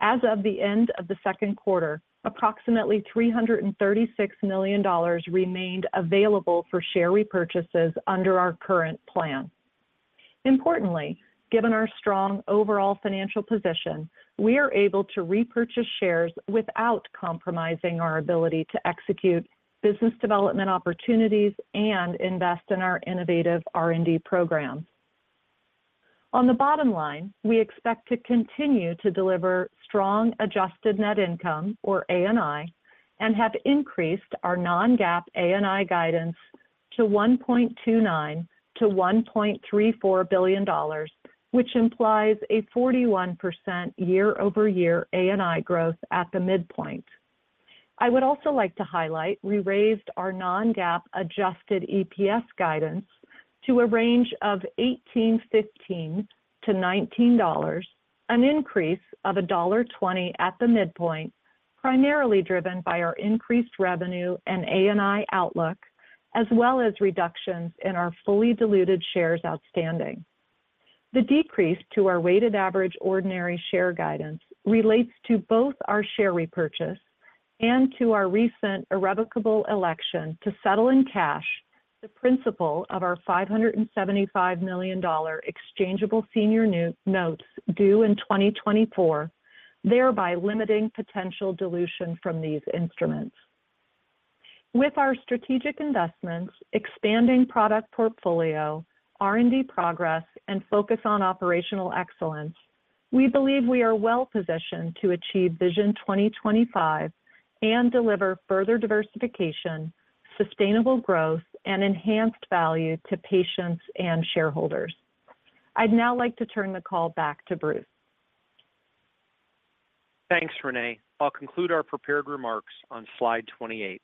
As of the end of the second quarter, approximately $336 million remained available for share repurchases under our current plan. Importantly, given our strong overall financial position, we are able to repurchase shares without compromising our ability to execute business development opportunities and invest in our innovative R&D program. On the bottom line, we expect to continue to deliver strong adjusted net income, or ANI, and have increased our non-GAAP ANI guidance to $1.29 billion-$1.34 billion, which implies a 41% year-over-year ANI growth at the midpoint. I would also like to highlight, we raised our non-GAAP adjusted EPS guidance to a range of $18.15-$19.00, an increase of $1.20 at the midpoint, primarily driven by our increased revenue and ANI outlook, as well as reductions in our fully diluted shares outstanding. The decrease to our weighted average ordinary share guidance relates to both our share repurchase and to our recent irrevocable election to settle in cash the principal of our $575 million exchangeable senior new- notes due in 2024, thereby limiting potential dilution from these instruments. With our strategic investments, expanding product portfolio, R&D progress, and focus on operational excellence, we believe we are well positioned to achieve Vision 2025 and deliver further diversification, sustainable growth, and enhanced value to patients and shareholders. I'd now like to turn the call back to Bruce. Thanks, Renee. I'll conclude our prepared remarks on slide 28.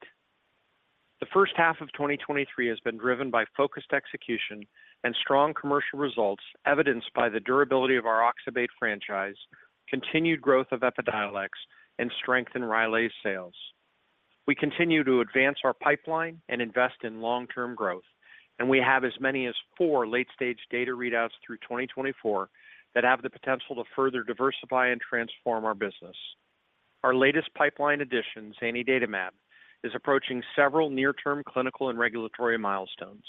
The first half of 2023 has been driven by focused execution and strong commercial results, evidenced by the durability of our oxybate franchise, continued growth of Epidiolex, and strength in Rylaze sales. We continue to advance our pipeline and invest in long-term growth, and we have as many as four late-stage data readouts through 2024 that have the potential to further diversify and transform our business. Our latest pipeline addition, zanidatamab, is approaching several near-term clinical and regulatory milestones.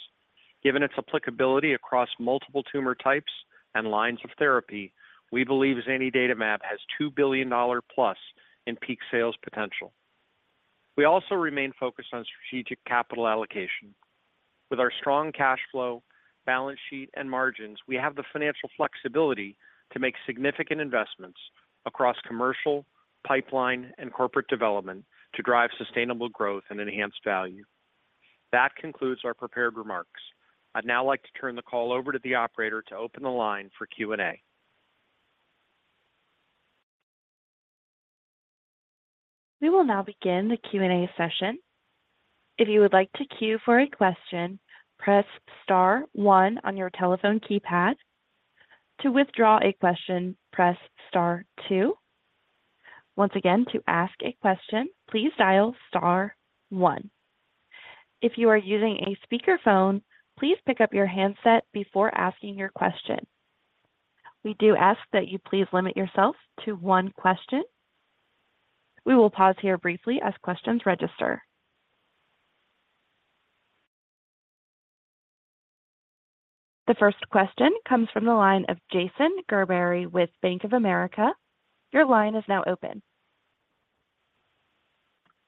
Given its applicability across multiple tumor types and lines of therapy, we believe zanidatamab has $2 billion+ in peak sales potential. We also remain focused on strategic capital allocation. With our strong cash flow, balance sheet, and margins, we have the financial flexibility to make significant investments across commercial, pipeline, and corporate development to drive sustainable growth and enhance value. That concludes our prepared remarks. I'd now like to turn the call over to the operator to open the line for Q&A. We will now begin the Q&A session. If you would like to queue for a question, press star one on your telephone keypad. To withdraw a question, press star two. Once again, to ask a question, please dial star one. If you are using a speakerphone, please pick up your handset before asking your question. We do ask that you please limit yourself to one question. We will pause here briefly as questions register. The first question comes from the line of Jason Gerberry with Bank of America. Your line is now open.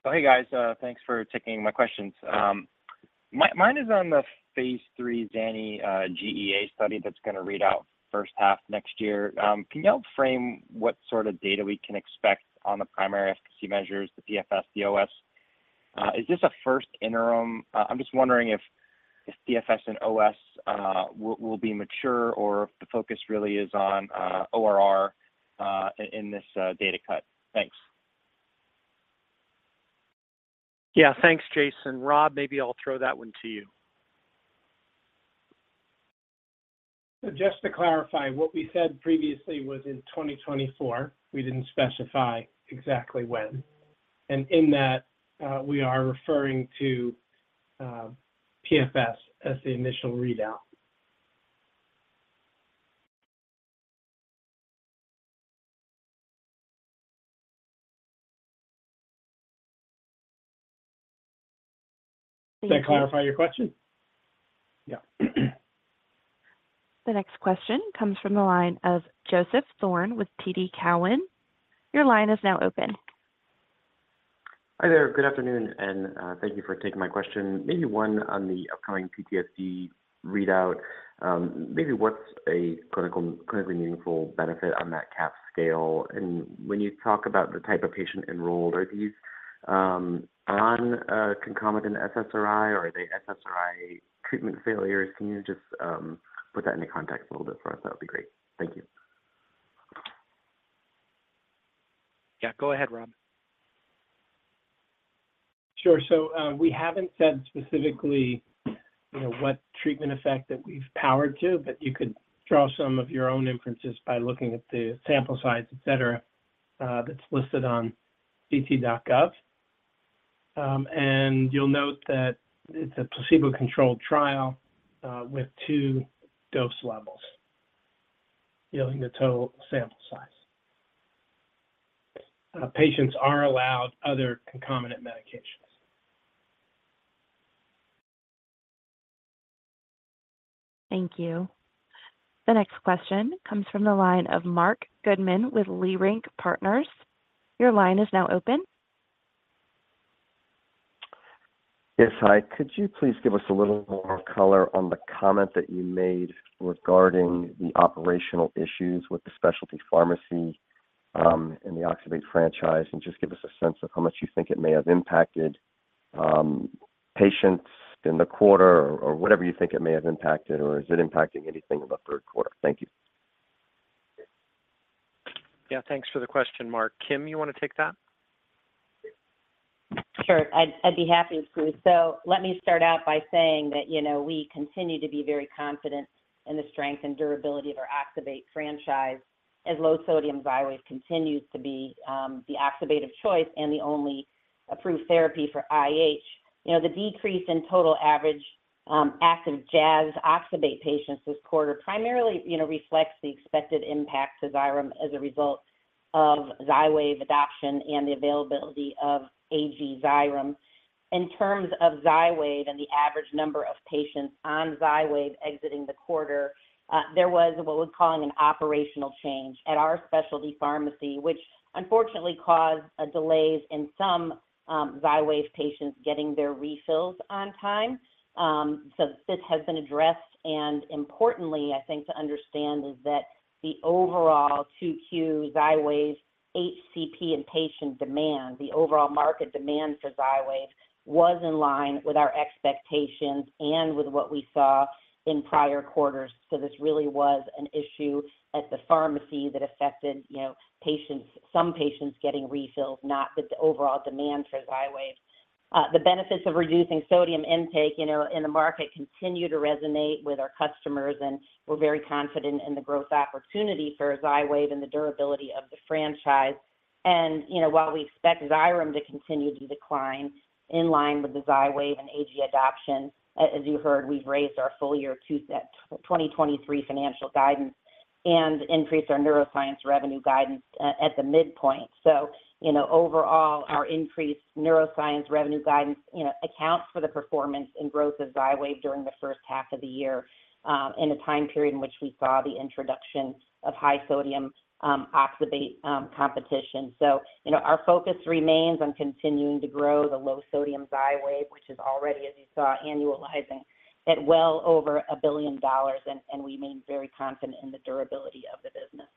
Oh, hey, guys. Thanks for taking my questions. Mine is on the phase III Zani GEA study that's gonna read out first half next year. Can you help frame what sort of data we can expect on the primary efficacy measures, the PFS, the OS? Is this a first interim? I'm just wondering if PFS and OS will be mature, or if the focus really is on ORR in this data cut? Thanks. Yeah, thanks, Jason. Rob, maybe I'll throw that one to you. Just to clarify, what we said previously was in 2024, we didn't specify exactly when. In that, we are referring to PFS as the initial readout. Thank you. Does that clarify your question? Yeah. The next question comes from the line of Joseph Thome with TD Cowen. Your line is now open. Hi there, good afternoon, and thank you for taking my question. Maybe one on the upcoming PTSD readout. Maybe what's a clinical- clinically meaningful benefit on that CAPS-5 scale? When you talk about the type of patient enrolled, are these on a concomitant SSRI, or are they SSRI treatment failures? Can you just put that into context a little bit for us? That would be great. Thank you. Yeah, go ahead, Rob. Sure. We haven't said specifically, you know, what treatment effect that we've powered to, but you could draw some of your own inferences by looking at the sample size, et cetera, that's listed on ClinicalTrials.gov. You'll note that it's a placebo-controlled trial, with 2 dose levels, yielding the total sample size. Patients are allowed other concomitant medications. Thank you. The next question comes from the line of Marc Goodman with Leerink Partners. Your line is now open. Yes, hi. Could you please give us a little more color on the comment that you made regarding the operational issues with the specialty pharmacy, and the oxybate franchise? Just give us a sense of how much you think it may have impacted, patients in the quarter or, or whatever you think it may have impacted, or is it impacting anything in the third quarter? Thank you. Yeah, thanks for the question, Marc. Kim, you want to take that? Sure. I'd, I'd be happy to. Let me start out by saying that, you know, we continue to be very confident in the strength and durability of our oxybate franchise, as low-sodium Xywav continues to be the oxybate of choice and the only approved therapy for IH. You know, the decrease in total average active Jazz oxybate patients this quarter primarily, you know, reflects the expected impact to Xyrem as a result of Xywav adoption and the availability of AG Xyrem. In terms of Xywav and the average number of patients on Xywav exiting the quarter, there was what we're calling an operational change at our specialty pharmacy, which unfortunately caused delays in some Xywav patients getting their refills on time. This has been addressed, and importantly, I think to understand, is that the overall 2Q Xywav HCP and patient demand, the overall market demand for Xywav, was in line with our expectations and with what we saw in prior quarters. This really was an issue at the pharmacy that affected, you know, patients-- some patients getting refills, not the overall demand for Xywav. The benefits of reducing sodium intake, you know, in the market continue to resonate with our customers, and we're very confident in the growth opportunity for Xywav and the durability of the franchise. You know, while we expect Xyrem to continue to decline in line with the Xywav and AG adoption, as you heard, we've raised our full year 2023 financial guidance and increased our neuroscience revenue guidance at the midpoint. You know, overall, our increased neuroscience revenue guidance, you know, accounts for the performance and growth of Xywav during the first half of the year, in a time period in which we saw the introduction of high-sodium oxybate competition. You know, our focus remains on continuing to grow the low-sodium Xywav, which is already, as you saw, annualizing at well over $1 billion, and we remain very confident in the durability of the business.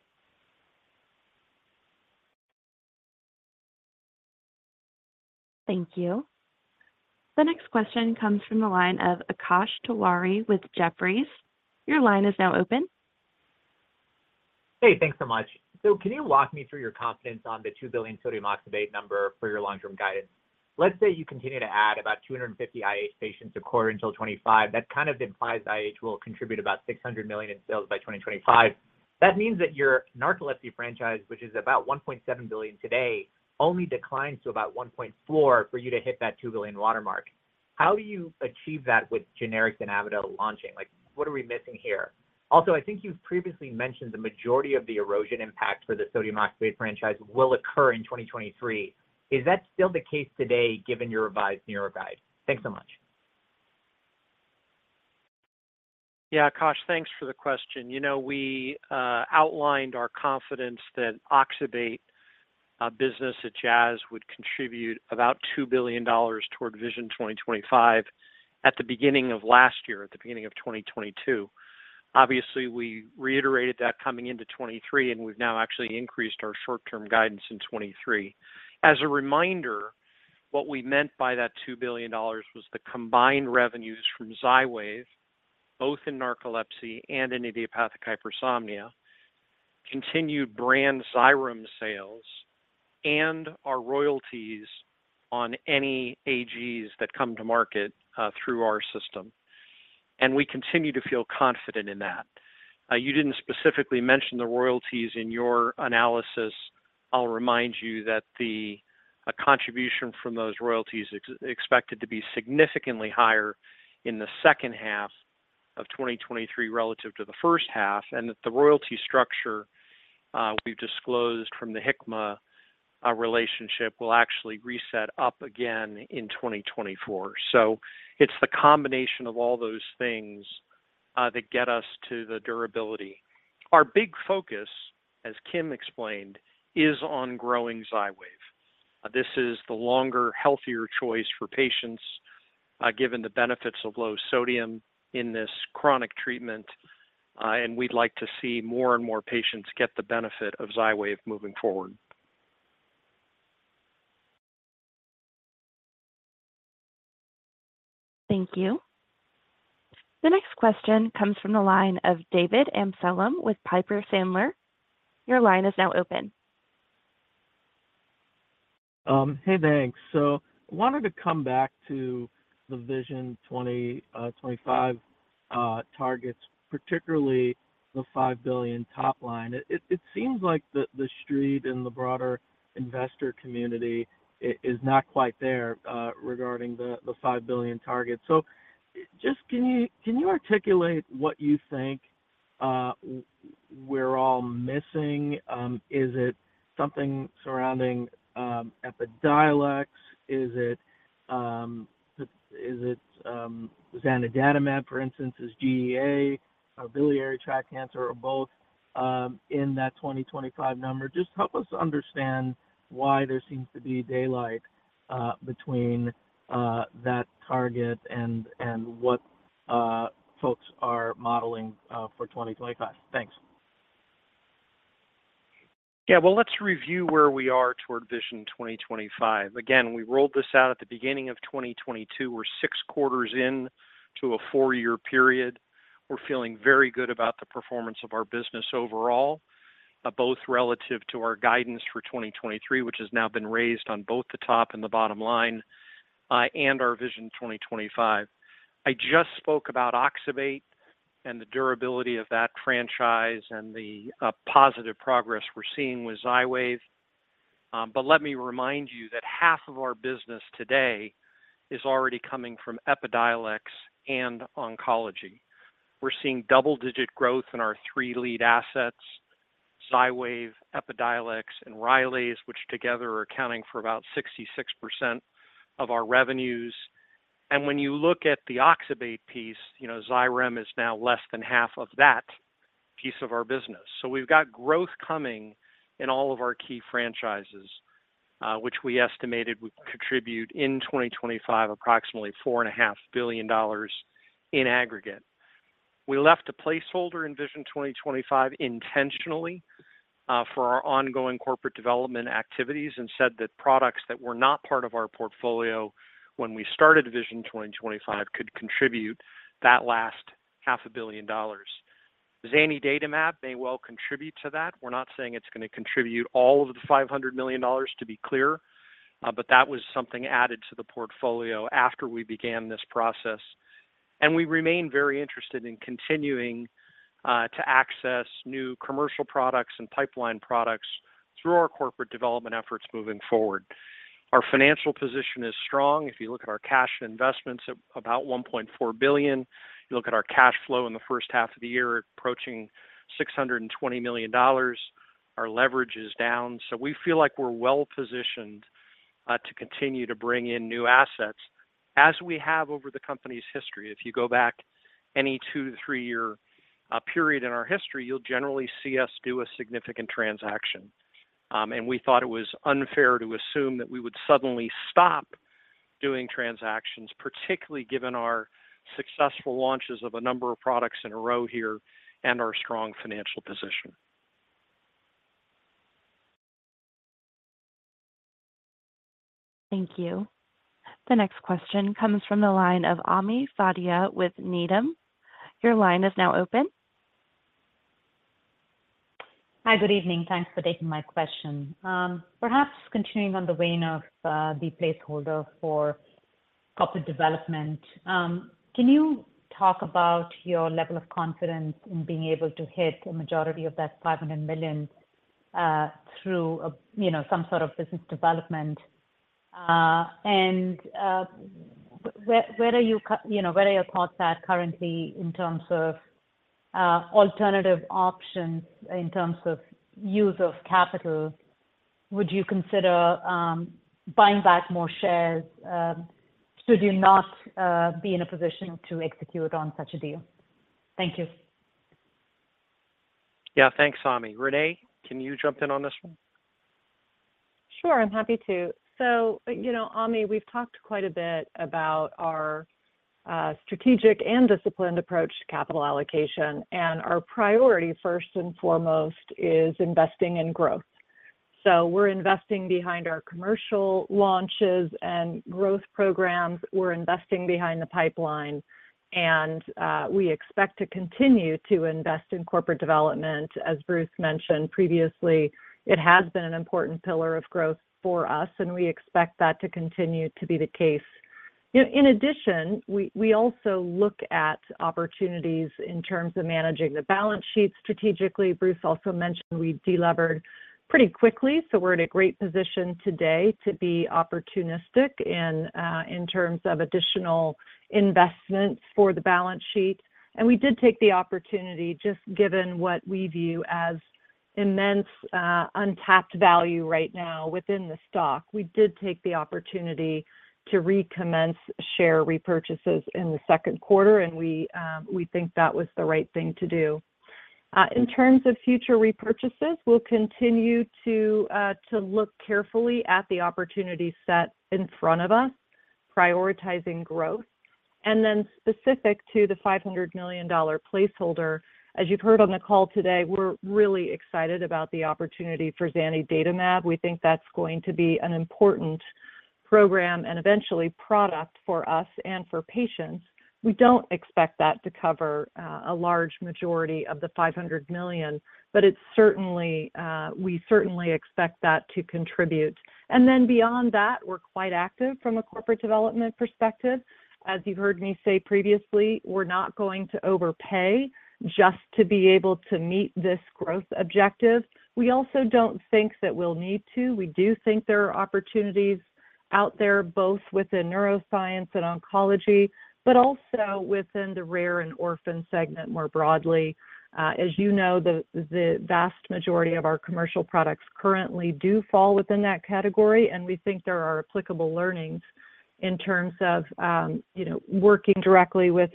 Thank you. The next question comes from the line of Akash Tewari with Jefferies. Your line is now open. Hey, thanks so much. Can you walk me through your confidence on the $2 billion sodium oxybate number for your long-term guidance? Let's say you continue to add about 250 IH patients a quarter until 2025. That kind of implies IH will contribute about $600 million in sales by 2025. That means that your narcolepsy franchise, which is about $1.7 billion today, only declines to about $1.4 billion for you to hit that $2 billion watermark. How do you achieve that with generics and Evito launching? Like, what are we missing here? Also, I think you've previously mentioned the majority of the erosion impact for the sodium oxybate franchise will occur in 2023. Is that still the case today, given your revised near guide? Thanks so much. Yeah, Akash, thanks for the question. You know, we outlined our confidence that oxybate business at Jazz would contribute about $2 billion toward Vision 2025 at the beginning of last year, at the beginning of 2022. Obviously, we reiterated that coming into 2023, and we've now actually increased our short-term guidance in 2023. As a reminder, what we meant by that $2 billion was the combined revenues from Xywav, both in narcolepsy and in idiopathic hypersomnia, continued brand Xyrem sales, and our royalties on any AGs that come to market through our system. We continue to feel confident in that. You didn't specifically mention the royalties in your analysis. I'll remind you that the contribution from those royalties expected to be significantly higher in the second half of 2023 relative to the first half, and that the royalty structure, we've disclosed from the Hikma relationship, will actually reset up again in 2024. It's the combination of all those things that get us to the durability. Our big focus, as Kim explained, is on growing Xywav. This is the longer, healthier choice for patients, given the benefits of low sodium in this chronic treatment, and we'd like to see more and more patients get the benefit of Xywav moving forward. Thank you. The next question comes from the line of David Amsellem with Piper Sandler. Your line is now open. Hey, thanks. I wanted to come back to the Vision 2025.targets, particularly the $5 billion top line. It, it, it seems like the, the Street and the broader investor community is not quite there regarding the $5 billion target. Just can you, can you articulate what you think we're all missing? Is it something surrounding Epidiolex? Is it, is it zanidatamab, for instance, is GEA, or biliary tract cancer, or both, in that 2025 number? Just help us understand why there seems to be daylight between that target and what folks are modeling for 2025. Thanks. Yeah. Well, let's review where we are toward Vision 2025. We rolled this out at the beginning of 2022. We're six quarters in to a four-year period. We're feeling very good about the performance of our business overall, both relative to our guidance for 2023, which has now been raised on both the top and the bottom line, and our Vision 2025. I just spoke about oxybate and the durability of that franchise and the positive progress we're seeing with Xywav. Let me remind you that half of our business today is already coming from Epidiolex and oncology. We're seeing double-digit growth in our three lead assets, Xywav, Epidiolex, and Rylaze, which together are accounting for about 66% of our revenues. When you look at the oxybate piece, you know, Xyrem is now less than half of that piece of our business. We've got growth coming in all of our key franchises, which we estimated would contribute in 2025, approximately $4.5 billion in aggregate. We left a placeholder in Vision 2025 intentionally, for our ongoing corporate development activities, and said that products that were not part of our portfolio when we started Vision 2025 could contribute that last $500 million. Zanidatamab may well contribute to that. We're not saying it's gonna contribute all of the $500 million, to be clear, but that was something added to the portfolio after we began this process. We remain very interested in continuing to access new commercial products and pipeline products through our corporate development efforts moving forward. Our financial position is strong. If you look at our cash investments, about $1.4 billion. You look at our cash flow in the first half of the year, approaching $620 million. Our leverage is down, we feel like we're well positioned to continue to bring in new assets, as we have over the company's history. If you go back any two to three-year period in our history, you'll generally see us do a significant transaction. We thought it was unfair to assume that we would suddenly stop doing transactions, particularly given our successful launches of a number of products in a row here and our strong financial position. Thank you. The next question comes from the line of Ami Fadia with Needham. Your line is now open. Hi, good evening. Thanks for taking my question. Perhaps continuing on the vein of the placeholder for corporate development, can you talk about your level of confidence in being able to hit a majority of that $500 million through, you know, some sort of business development? Where, where are you, you know, where are your thoughts at currently in terms of alternative options, in terms of use of capital? Would you consider buying back more shares should you not be in a position to execute on such a deal? Thank you. Yeah, thanks, Ami. Renee, can you jump in on this one? Sure, I'm happy to. You know, Ami, we've talked quite a bit about our strategic and disciplined approach to capital allocation, and our priority, first and foremost, is investing in growth. We're investing behind our commercial launches and growth programs. We're investing behind the pipeline, and we expect to continue to invest in corporate development. As Bruce mentioned previously, it has been an important pillar of growth for us, and we expect that to continue to be the case. You know, in addition, we, we also look at opportunities in terms of managing the balance sheet strategically. Bruce also mentioned we delevered pretty quickly, so we're in a great position today to be opportunistic in terms of additional investments for the balance sheet. We did take the opportunity, just given what we view as immense, untapped value right now within the stock. We did take the opportunity to recommence share repurchases in the second quarter, and we think that was the right thing to do. In terms of future repurchases, we'll continue to look carefully at the opportunity set in front of us, prioritizing growth. Specific to the $500 million placeholder, as you've heard on the call today, we're really excited about the opportunity for zanidatamab. We think that's going to be an important program and eventually product for us and for patients. We don't expect that to cover a large majority of the $500 million, but it's certainly, we certainly expect that to contribute. Beyond that, we're quite active from a corporate development perspective. As you've heard me say previously, we're not going to overpay just to be able to meet this growth objective. We also don't think that we'll need to. We do think there are opportunities out there, both within neuroscience and oncology, but also within the rare and orphan segment, more broadly. As you know, the vast majority of our commercial products currently do fall within that category, and we think there are applicable learnings in terms of, you know, working directly with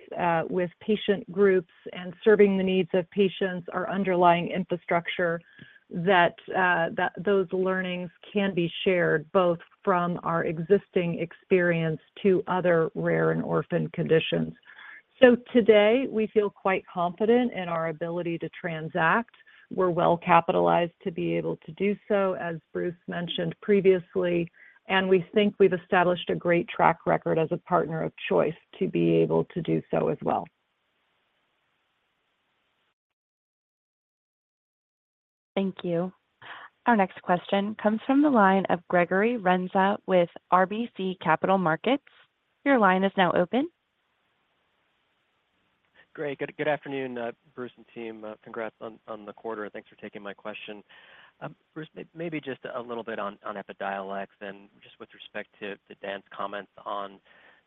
patient groups and serving the needs of patients, our underlying infrastructure, that those learnings can be shared both from our existing experience to other rare and orphan conditions. Today, we feel quite confident in our ability to transact. We're well-capitalized to be able to do so, as Bruce mentioned previously, and we think we've established a great track record as a partner of choice to be able to do so as well. Thank you. Our next question comes from the line of Gregory Renza with RBC Capital Markets. Your line is now open. Great. Good, good afternoon, Bruce and team. Congrats on, on the quarter, and thanks for taking my question. Bruce, may- maybe just a little bit on, on Epidiolex and just with respect to, to Dan's comments on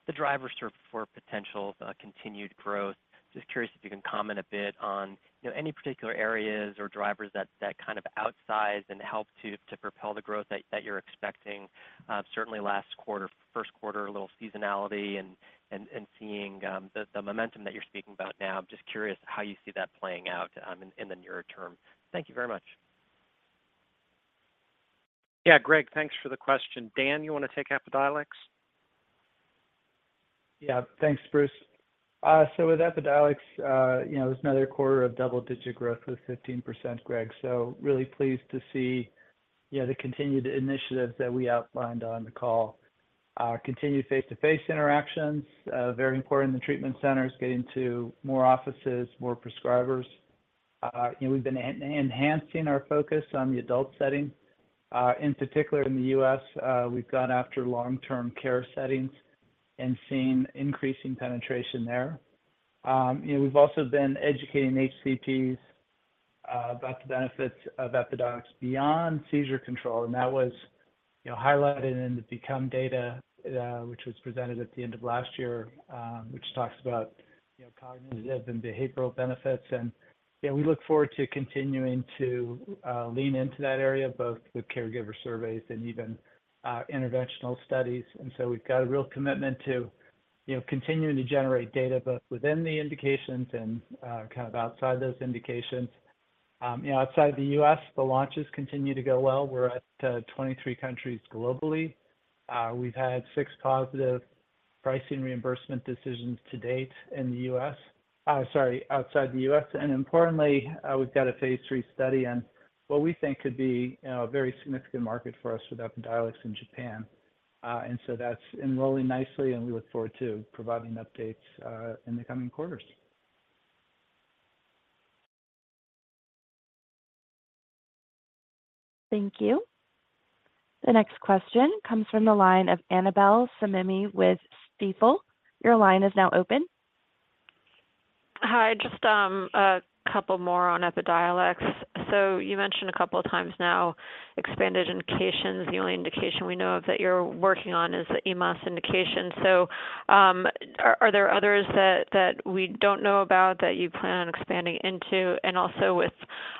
the drivers for, for potential, continued growth. Just curious if you can comment a bit on, you know, any particular areas or drivers that, that kind of outsized and helped to, to propel the growth that, that you're expecting? Certainly last quarter, first quarter, a little seasonality and, and, and seeing, the, the momentum that you're speaking about now. Just curious how you see that playing out, in, in the near term. Thank you very much. Yeah, Greg, thanks for the question. Dan, you want to take Epidiolex? Yeah. Thanks, Bruce. With Epidiolex, you know, it was another quarter of double-digit growth with 15%, Greg, so really pleased to see, yeah, the continued initiatives that we outlined on the call. Continued face-to-face interactions, very important in the treatment centers, getting to more offices, more prescribers. You know, we've been enhancing our focus on the adult setting. In particular, in the U.S., we've gone after long-term care settings and seen increasing penetration there. You know, we've also been educating HCPs, about the benefits of Epidiolex beyond seizure control, and that was, you know, highlighted in the BECOME data, which was presented at the end of last year, which talks about, you know, cognitive and behavioral benefits. Yeah, we look forward to continuing to lean into that area, both with caregiver surveys and even interventional studies. So we've got a real commitment to, you know, continuing to generate data both within the indications and kind of outside those indications. You know, outside the U.S., the launches continue to go well. We're at 23 countries globally. We've had six positive pricing reimbursement decisions to date in the U.S.-- sorry, outside the U.S. Importantly, we've got a phase III study on what we think could be a very significant market for us with Epidiolex in Japan. So that's enrolling nicely, and we look forward to providing updates in the coming quarters. Thank you. The next question comes from the line of Annabel Samimy with Stifel. Your line is now open. Hi, just two more on Epidiolex. You mentioned two times now, expanded indications. The only indication we know of that you're working on is the EMAS indication. Are there others that we don't know about, that you plan on expanding into? Also with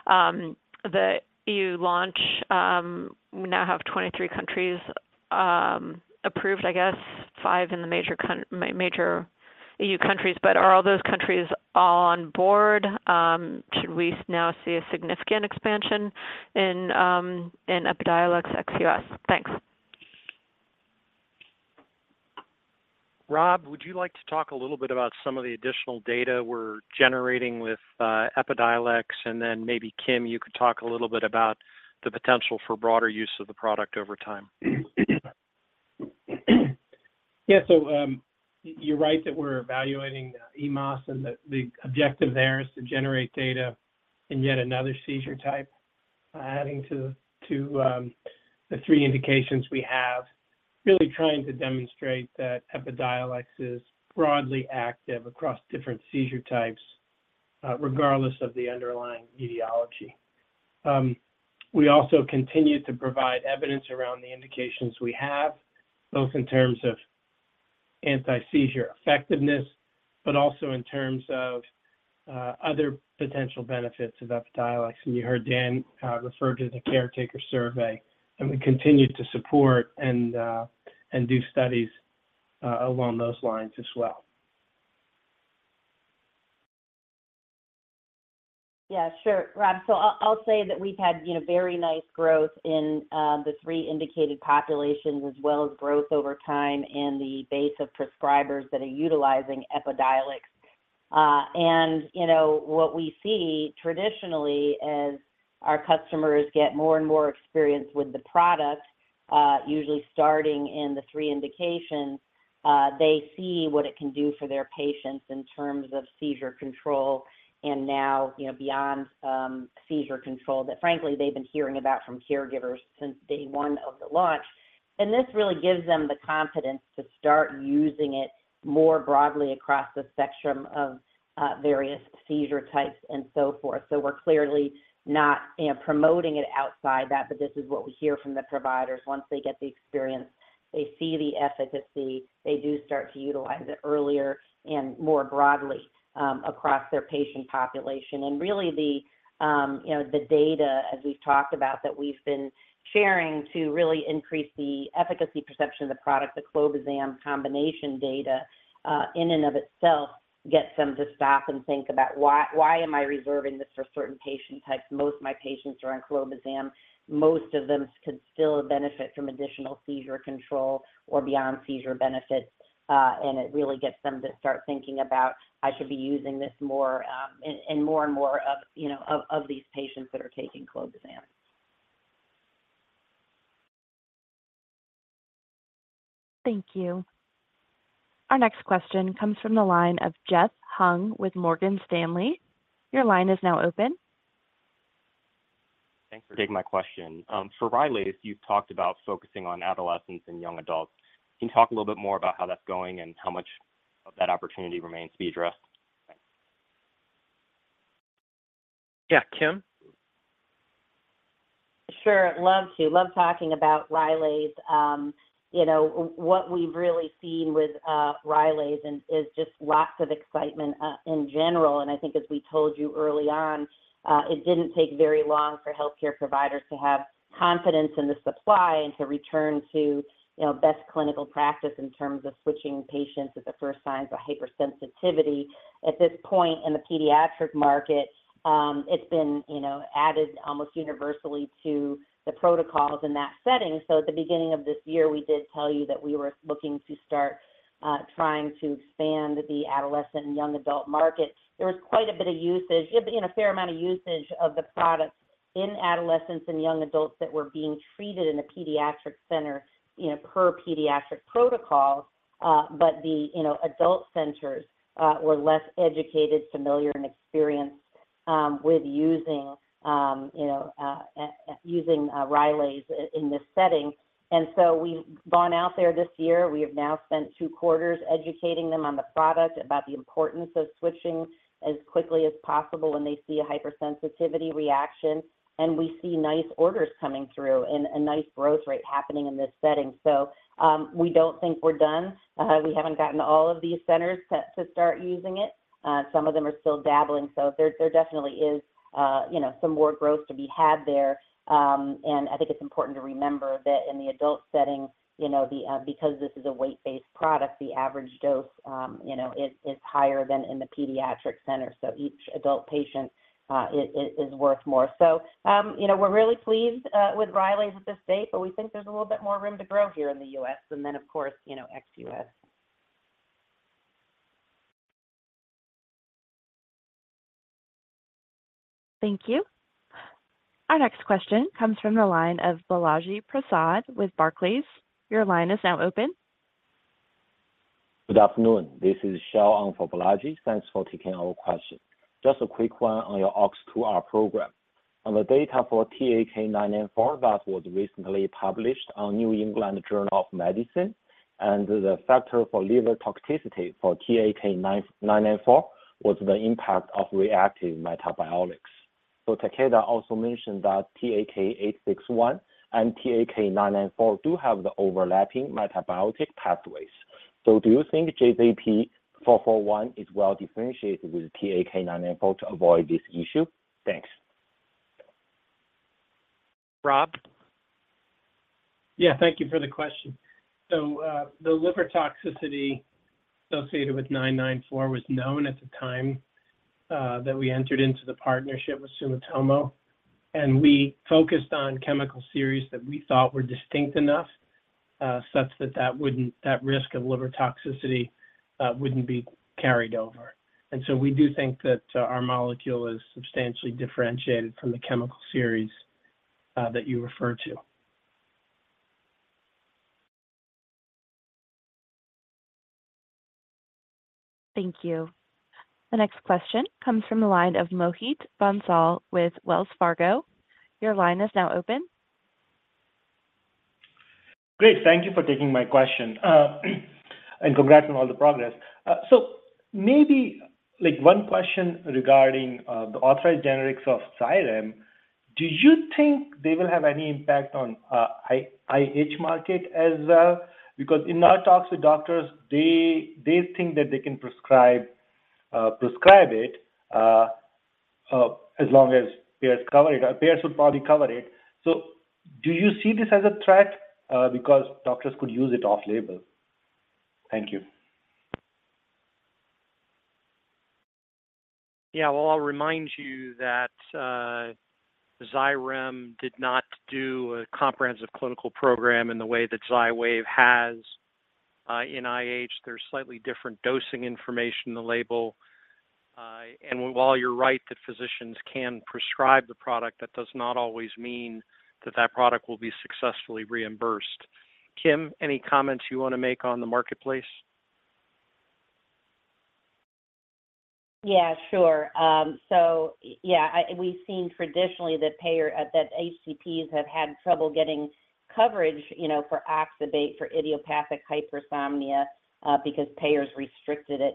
the EU launch, we now have 23 countries approved, I guess, 5 in the major EU countries. Are all those countries all on board? Should we now see a significant expansion in Epidiolex ex U.S.? Thanks. Rob, would you like to talk a little bit about some of the additional data we're generating with Epidiolex, and then maybe, Kim, you could talk a little bit about the potential for broader use of the product over time? Yeah, you're right that we're evaluating EMAS, and the objective there is to generate data in yet another seizure type, adding to the three indications we have, really trying to demonstrate that Epidiolex is broadly active across different seizure types, regardless of the underlying etiology. We also continue to provide evidence around the indications we have, both in terms of anti-seizure effectiveness, but also in terms of other potential benefits of Epidiolex. You heard Dan refer to the caretaker survey, and we continue to support and do studies along those lines as well. Yeah, sure, Rob. I'll, I'll say that we've had, you know, very nice growth in the three indicated populations, as well as growth over time in the base of prescribers that are utilizing Epidiolex. You know, what we see traditionally as our customers get more and more experienced with the product, usually starting in the three indications, they see what it can do for their patients in terms of seizure control and now, you know, beyond seizure control, that frankly, they've been hearing about from caregivers since day one of the launch. This really gives them the confidence to start using it more broadly across the spectrum of various seizure types and so forth. We're clearly not, you know, promoting it outside that, but this is what we hear from the providers. Once they get the experience, they see the efficacy, they do start to utilize it earlier and more broadly, across their patient population. Really, the, you know, the data, as we've talked about, that we've been sharing to really increase the efficacy perception of the product, the clobazam combination data, in and of itself, gets them to stop and think about why, why am I reserving this for certain patient types? Most of my patients are on clobazam. Most of them could still benefit from additional seizure control or beyond seizure benefits. It really gets them to start thinking about, I should be using this more, in, in more and more of, you know, of, of these patients that are taking clobazam. Thank you. Our next question comes from the line of Jeff Hung with Morgan Stanley. Your line is now open. Thanks for taking my question. For Rylaze, you've talked about focusing on adolescents and young adults. Can you talk a little bit more about how that's going and how much of that opportunity remains to be addressed? Thanks. Yeah, Kim? Sure. Love to. Love talking about Rylaze. You know, what we've really seen with Rylaze and is just lots of excitement in general. I think as we told you early on, it didn't take very long for healthcare providers to have confidence in the supply and to return to, you know, best clinical practice in terms of switching patients at the first signs of hypersensitivity. At this point in the pediatric market, it's been, you know, added almost universally to the protocols in that setting. At the beginning of this year, we did tell you that we were looking to start trying to expand the adolescent and young adult market. There was quite a bit of usage and a fair amount of usage of the product in adolescents and young adults that were being treated in a pediatric center, you know, per pediatric protocol. The, you know, adult centers were less educated, familiar, and experienced with using, you know, using Rylaze in this setting. We've gone out there this year. We have now spent two quarters educating them on the product, about the importance of switching as quickly as possible when they see a hypersensitivity reaction, and we see nice orders coming through and a nice growth rate happening in this setting. We don't think we're done. We haven't gotten all of these centers set to start using it. Some of them are still dabbling, so there, there definitely is, you know, some more growth to be had there. And I think it's important to remember that in the adult setting, you know, the, because this is a weight-based product, the average dose, you know, is, is higher than in the pediatric center, so each adult patient, is, is, is worth more. You know, we're really pleased with Rylaze at this state, but we think there's a little bit more room to grow here in the U.S., and then, of course, you know, ex-U.S.. Thank you. Our next question comes from the line of Balaji Prasad with Barclays. Your line is now open. Good afternoon. This is Xiao on for Balaji. Thanks for taking our question. Just a quick one on your OX2R program. On the data for TAK-994, that was recently published on New England Journal of Medicine, and the factor for liver toxicity for TAK-994 was the impact of reactive metabolics. Takeda also mentioned that TAK-861 and TAK-994 do have the overlapping metabolic pathways. Do you think JZP441 is well differentiated with TAK-994 to avoid this issue? Thanks. Rob? Yeah, thank you for the question. The liver toxicity associated with 994 was known at the time, that we entered into the partnership with Sumitomo, and we focused on chemical series that we thought were distinct enough, such that that risk of liver toxicity wouldn't be carried over. We do think that our molecule is substantially differentiated from the chemical series that you referred to. Thank you. The next question comes from the line of Mohit Bansal with Wells Fargo. Your line is now open. Great, thank you for taking my question, congrats on all the progress. Maybe, like, one question regarding the authorized generics of Xyrem. Do you think they will have any impact on IH market as well? Because in our talks with doctors, they, they think that they can prescribe, prescribe it, as long as payers cover it, payers will probably cover it. Do you see this as a threat? Because doctors could use it off-label. Thank you. Yeah, well, I'll remind you that Xyrem did not do a comprehensive clinical program in the way that Xywav has in IH. There's slightly different dosing information in the label. While you're right, that physicians can prescribe the product, that does not always mean that that product will be successfully reimbursed. Kim, any comments you want to make on the marketplace? Yeah, sure. Yeah, I, we've seen traditionally that payer, that HCPs have had trouble getting coverage, you know, for oxybate for idiopathic hypersomnia, because payers restricted it.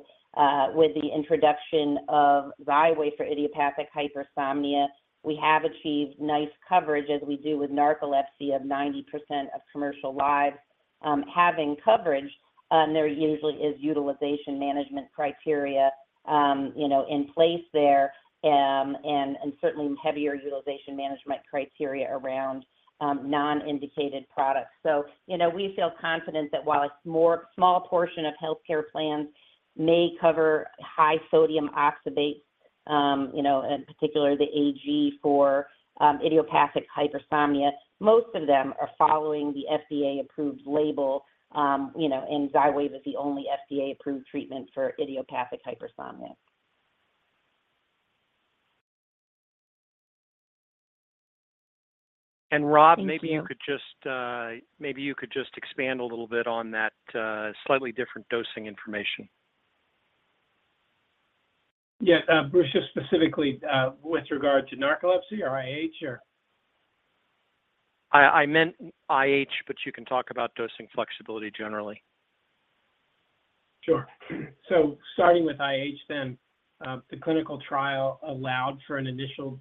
With the introduction of Xywav for idiopathic hypersomnia, we have achieved nice coverage, as we do with narcolepsy, of 90% of commercial lives, having coverage. There usually is utilization management criteria, you know, in place there, and certainly heavier utilization management criteria around non-indicated products. You know, we feel confident that while a more small portion of healthcare plans may cover high sodium oxybate, you know, in particular the AG for idiopathic hypersomnia, most of them are following the FDA-approved label. You know, Xywav is the only FDA-approved treatment for idiopathic hypersomnia. Rob- Thank you. Maybe you could just, maybe you could just expand a little bit on that, slightly different dosing information. Yeah, Bruce, just specifically, with regard to narcolepsy or IH, or? I, I meant IH, but you can talk about dosing flexibility generally. Sure. Starting with IH then, the clinical trial allowed for an initial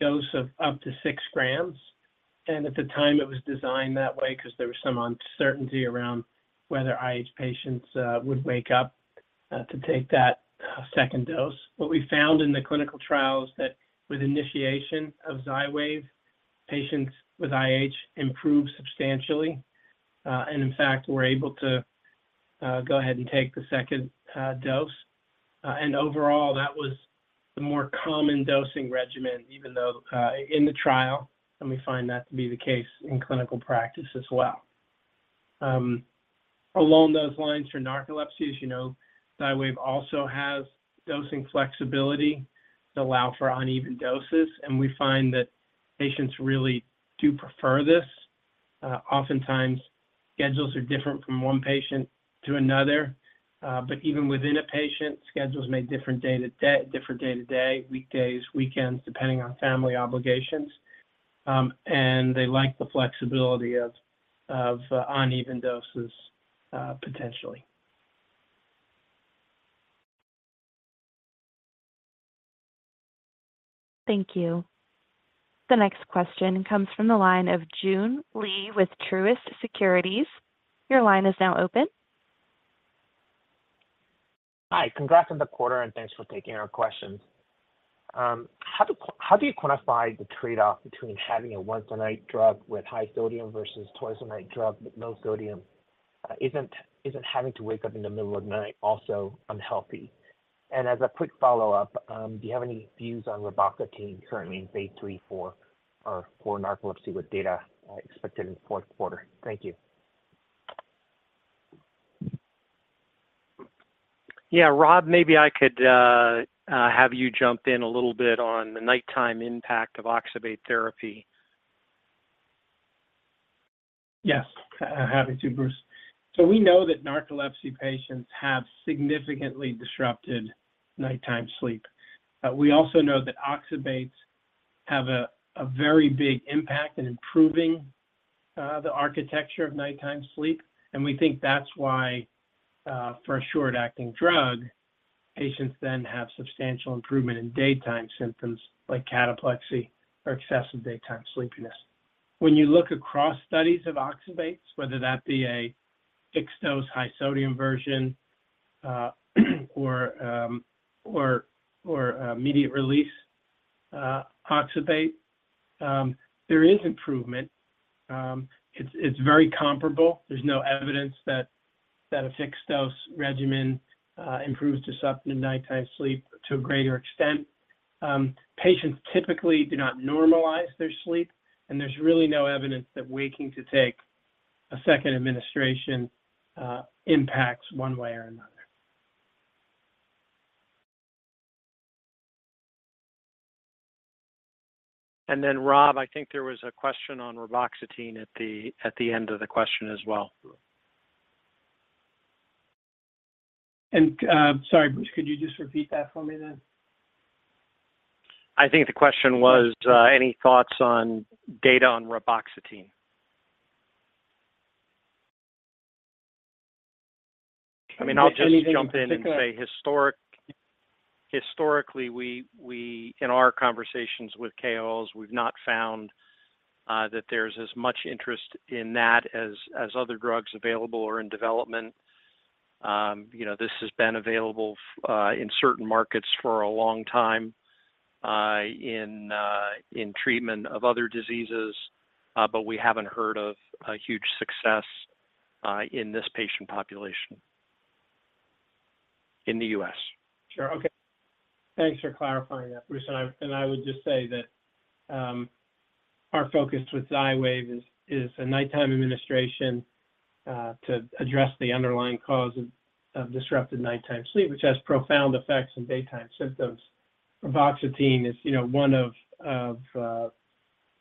dose of up to 6 grams, and at the time, it was designed that way because there was some uncertainty around whether IH patients would wake up to take that second dose. What we found in the clinical trial is that with initiation of Xywav, patients with IH improved substantially, and in fact, were able to go ahead and take the second dose. Overall, that was the more common dosing regimen, even though in the trial, and we find that to be the case in clinical practice as well. Along those lines, for narcolepsy, as you know, Xywav also has dosing flexibility to allow for uneven doses, and we find that patients really do prefer this. Oftentimes, schedules are different from one patient to another, but even within a patient, schedules may different day to day, different day to day, weekdays, weekends, depending on family obligations. And they like the flexibility of, of uneven doses, potentially. Thank you. The next question comes from the line of Joon Lee with Truist Securities. Your line is now open. Hi, congrats on the quarter, and thanks for taking our questions. How do, how do you quantify the trade-off between having a once-a-night drug with high sodium versus twice-a-night drug with no sodium? Isn't, isn't having to wake up in the middle of the night also unhealthy? And as a quick follow-up, do you have any views on reboxetine currently in phase III/IV for narcolepsy with data expected in the fourth quarter? Thank you. Yeah, Rob, maybe I could have you jump in a little bit on the nighttime impact of oxybate therapy. Yes, happy to, Bruce. We know that narcolepsy patients have significantly disrupted nighttime sleep. We also know that oxybates have a, a very big impact in improving the architecture of nighttime sleep, and we think that's why for a short-acting drug, patients then have substantial improvement in daytime symptoms like cataplexy or excessive daytime sleepiness. When you look across studies of oxybates, whether that be a fixed-dose, high-sodium version, or immediate release oxybate, there is improvement. It's very comparable. There's no evidence that a fixed-dose regimen improves disruption in nighttime sleep to a greater extent. Patients typically do not normalize their sleep, and there's really no evidence that waking to take a second administration impacts one way or another. Then, Rob, I think there was a question on reboxetine at the, at the end of the question as well. Sorry, Bruce, could you just repeat that for me then? I think the question was, any thoughts on data on reboxetine? I mean, I'll just jump in- Anything? Say historically, we, in our conversations with KOLs, we've not found that there's as much interest in that as other drugs available or in development. You know, this has been available in certain markets for a long time, in treatment of other diseases, but we haven't heard of a huge success in this patient population in the U.S.? Sure. Okay, thanks for clarifying that, Bruce. I, and I would just say that, our focus with Xywav is, is a nighttime administration, to address the underlying cause of, of disrupted nighttime sleep, which has profound effects on daytime symptoms. Reboxetine is, you know, one of, of,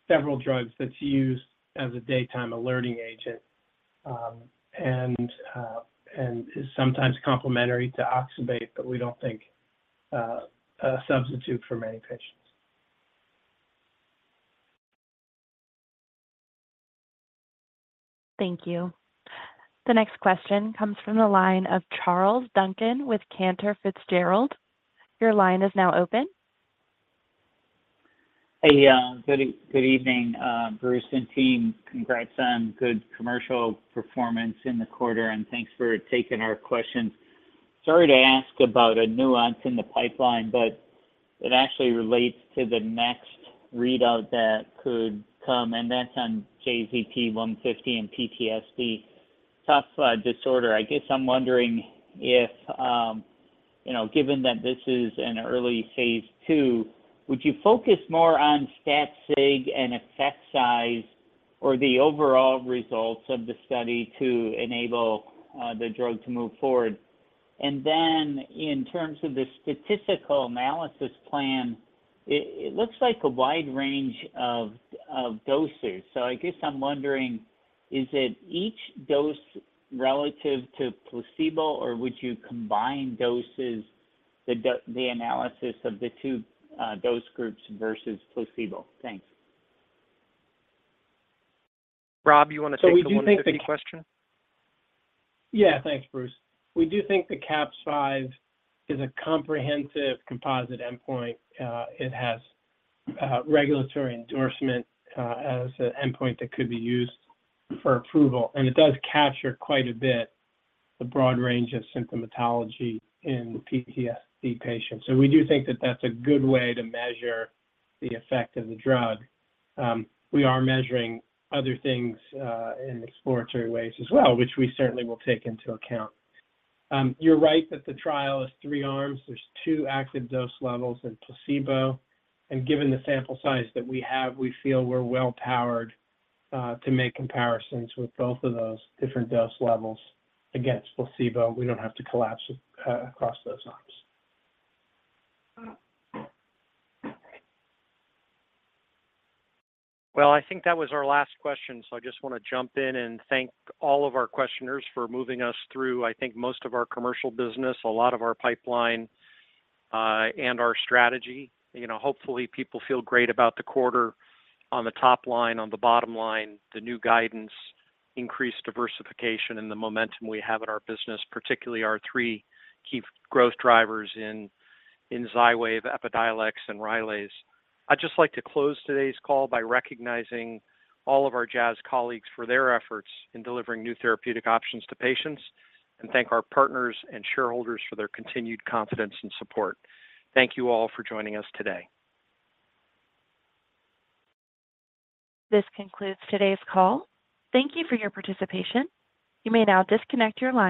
several drugs that's used as a daytime alerting agent, and, and is sometimes complementary to oxybate, but we don't think, a substitute for many patients. Thank you. The next question comes from the line of Charles Duncan with Cantor Fitzgerald. Your line is now open. Hey, good e- good evening, Bruce and team. Congrats on good commercial performance in the quarter, thanks for taking our questions. Sorry to ask about a nuance in the pipeline, but it actually relates to the next readout that could come, and that's on JZP150 and PTSD. Tough disorder. I guess I'm wondering if, you know, given that this is an early phase II, would you focus more on stat sig and effect size or the overall results of the study to enable the drug to move forward? Then in terms of the statistical analysis plan, it, it looks like a wide range of, of doses. I guess I'm wondering, is it each dose relative to placebo, or would you combine doses, the do—the analysis of the two dose groups versus placebo? Thanks. Rob, you want to take the 150 question? Yeah. Thanks, Bruce. We do think the CAPS-5 is a comprehensive composite endpoint. It has regulatory endorsement as an endpoint that could be used for approval, and it does capture quite a bit the broad range of symptomatology in PTSD patients. We do think that that's a good way to measure the effect of the drug. We are measuring other things in exploratory ways as well, which we certainly will take into account. You're right that the trial is 3 arms. There's 2 active dose levels and placebo, and given the sample size that we have, we feel we're well-powered to make comparisons with both of those different dose levels against placebo. We don't have to collapse across those arms. Well, I think that was our last question, so I just want to jump in and thank all of our questioners for moving us through, I think, most of our commercial business, a lot of our pipeline, and our strategy. You know, hopefully, people feel great about the quarter on the top line, on the bottom line, the new guidance, increased diversification, and the momentum we have in our business, particularly our 3 key growth drivers in, in Xywav, Epidiolex, and Rylaze. I'd just like to close today's call by recognizing all of our Jazz colleagues for their efforts in delivering new therapeutic options to patients, and thank our partners and shareholders for their continued confidence and support. Thank you all for joining us today. This concludes today's call. Thank you for your participation. You may now disconnect your line.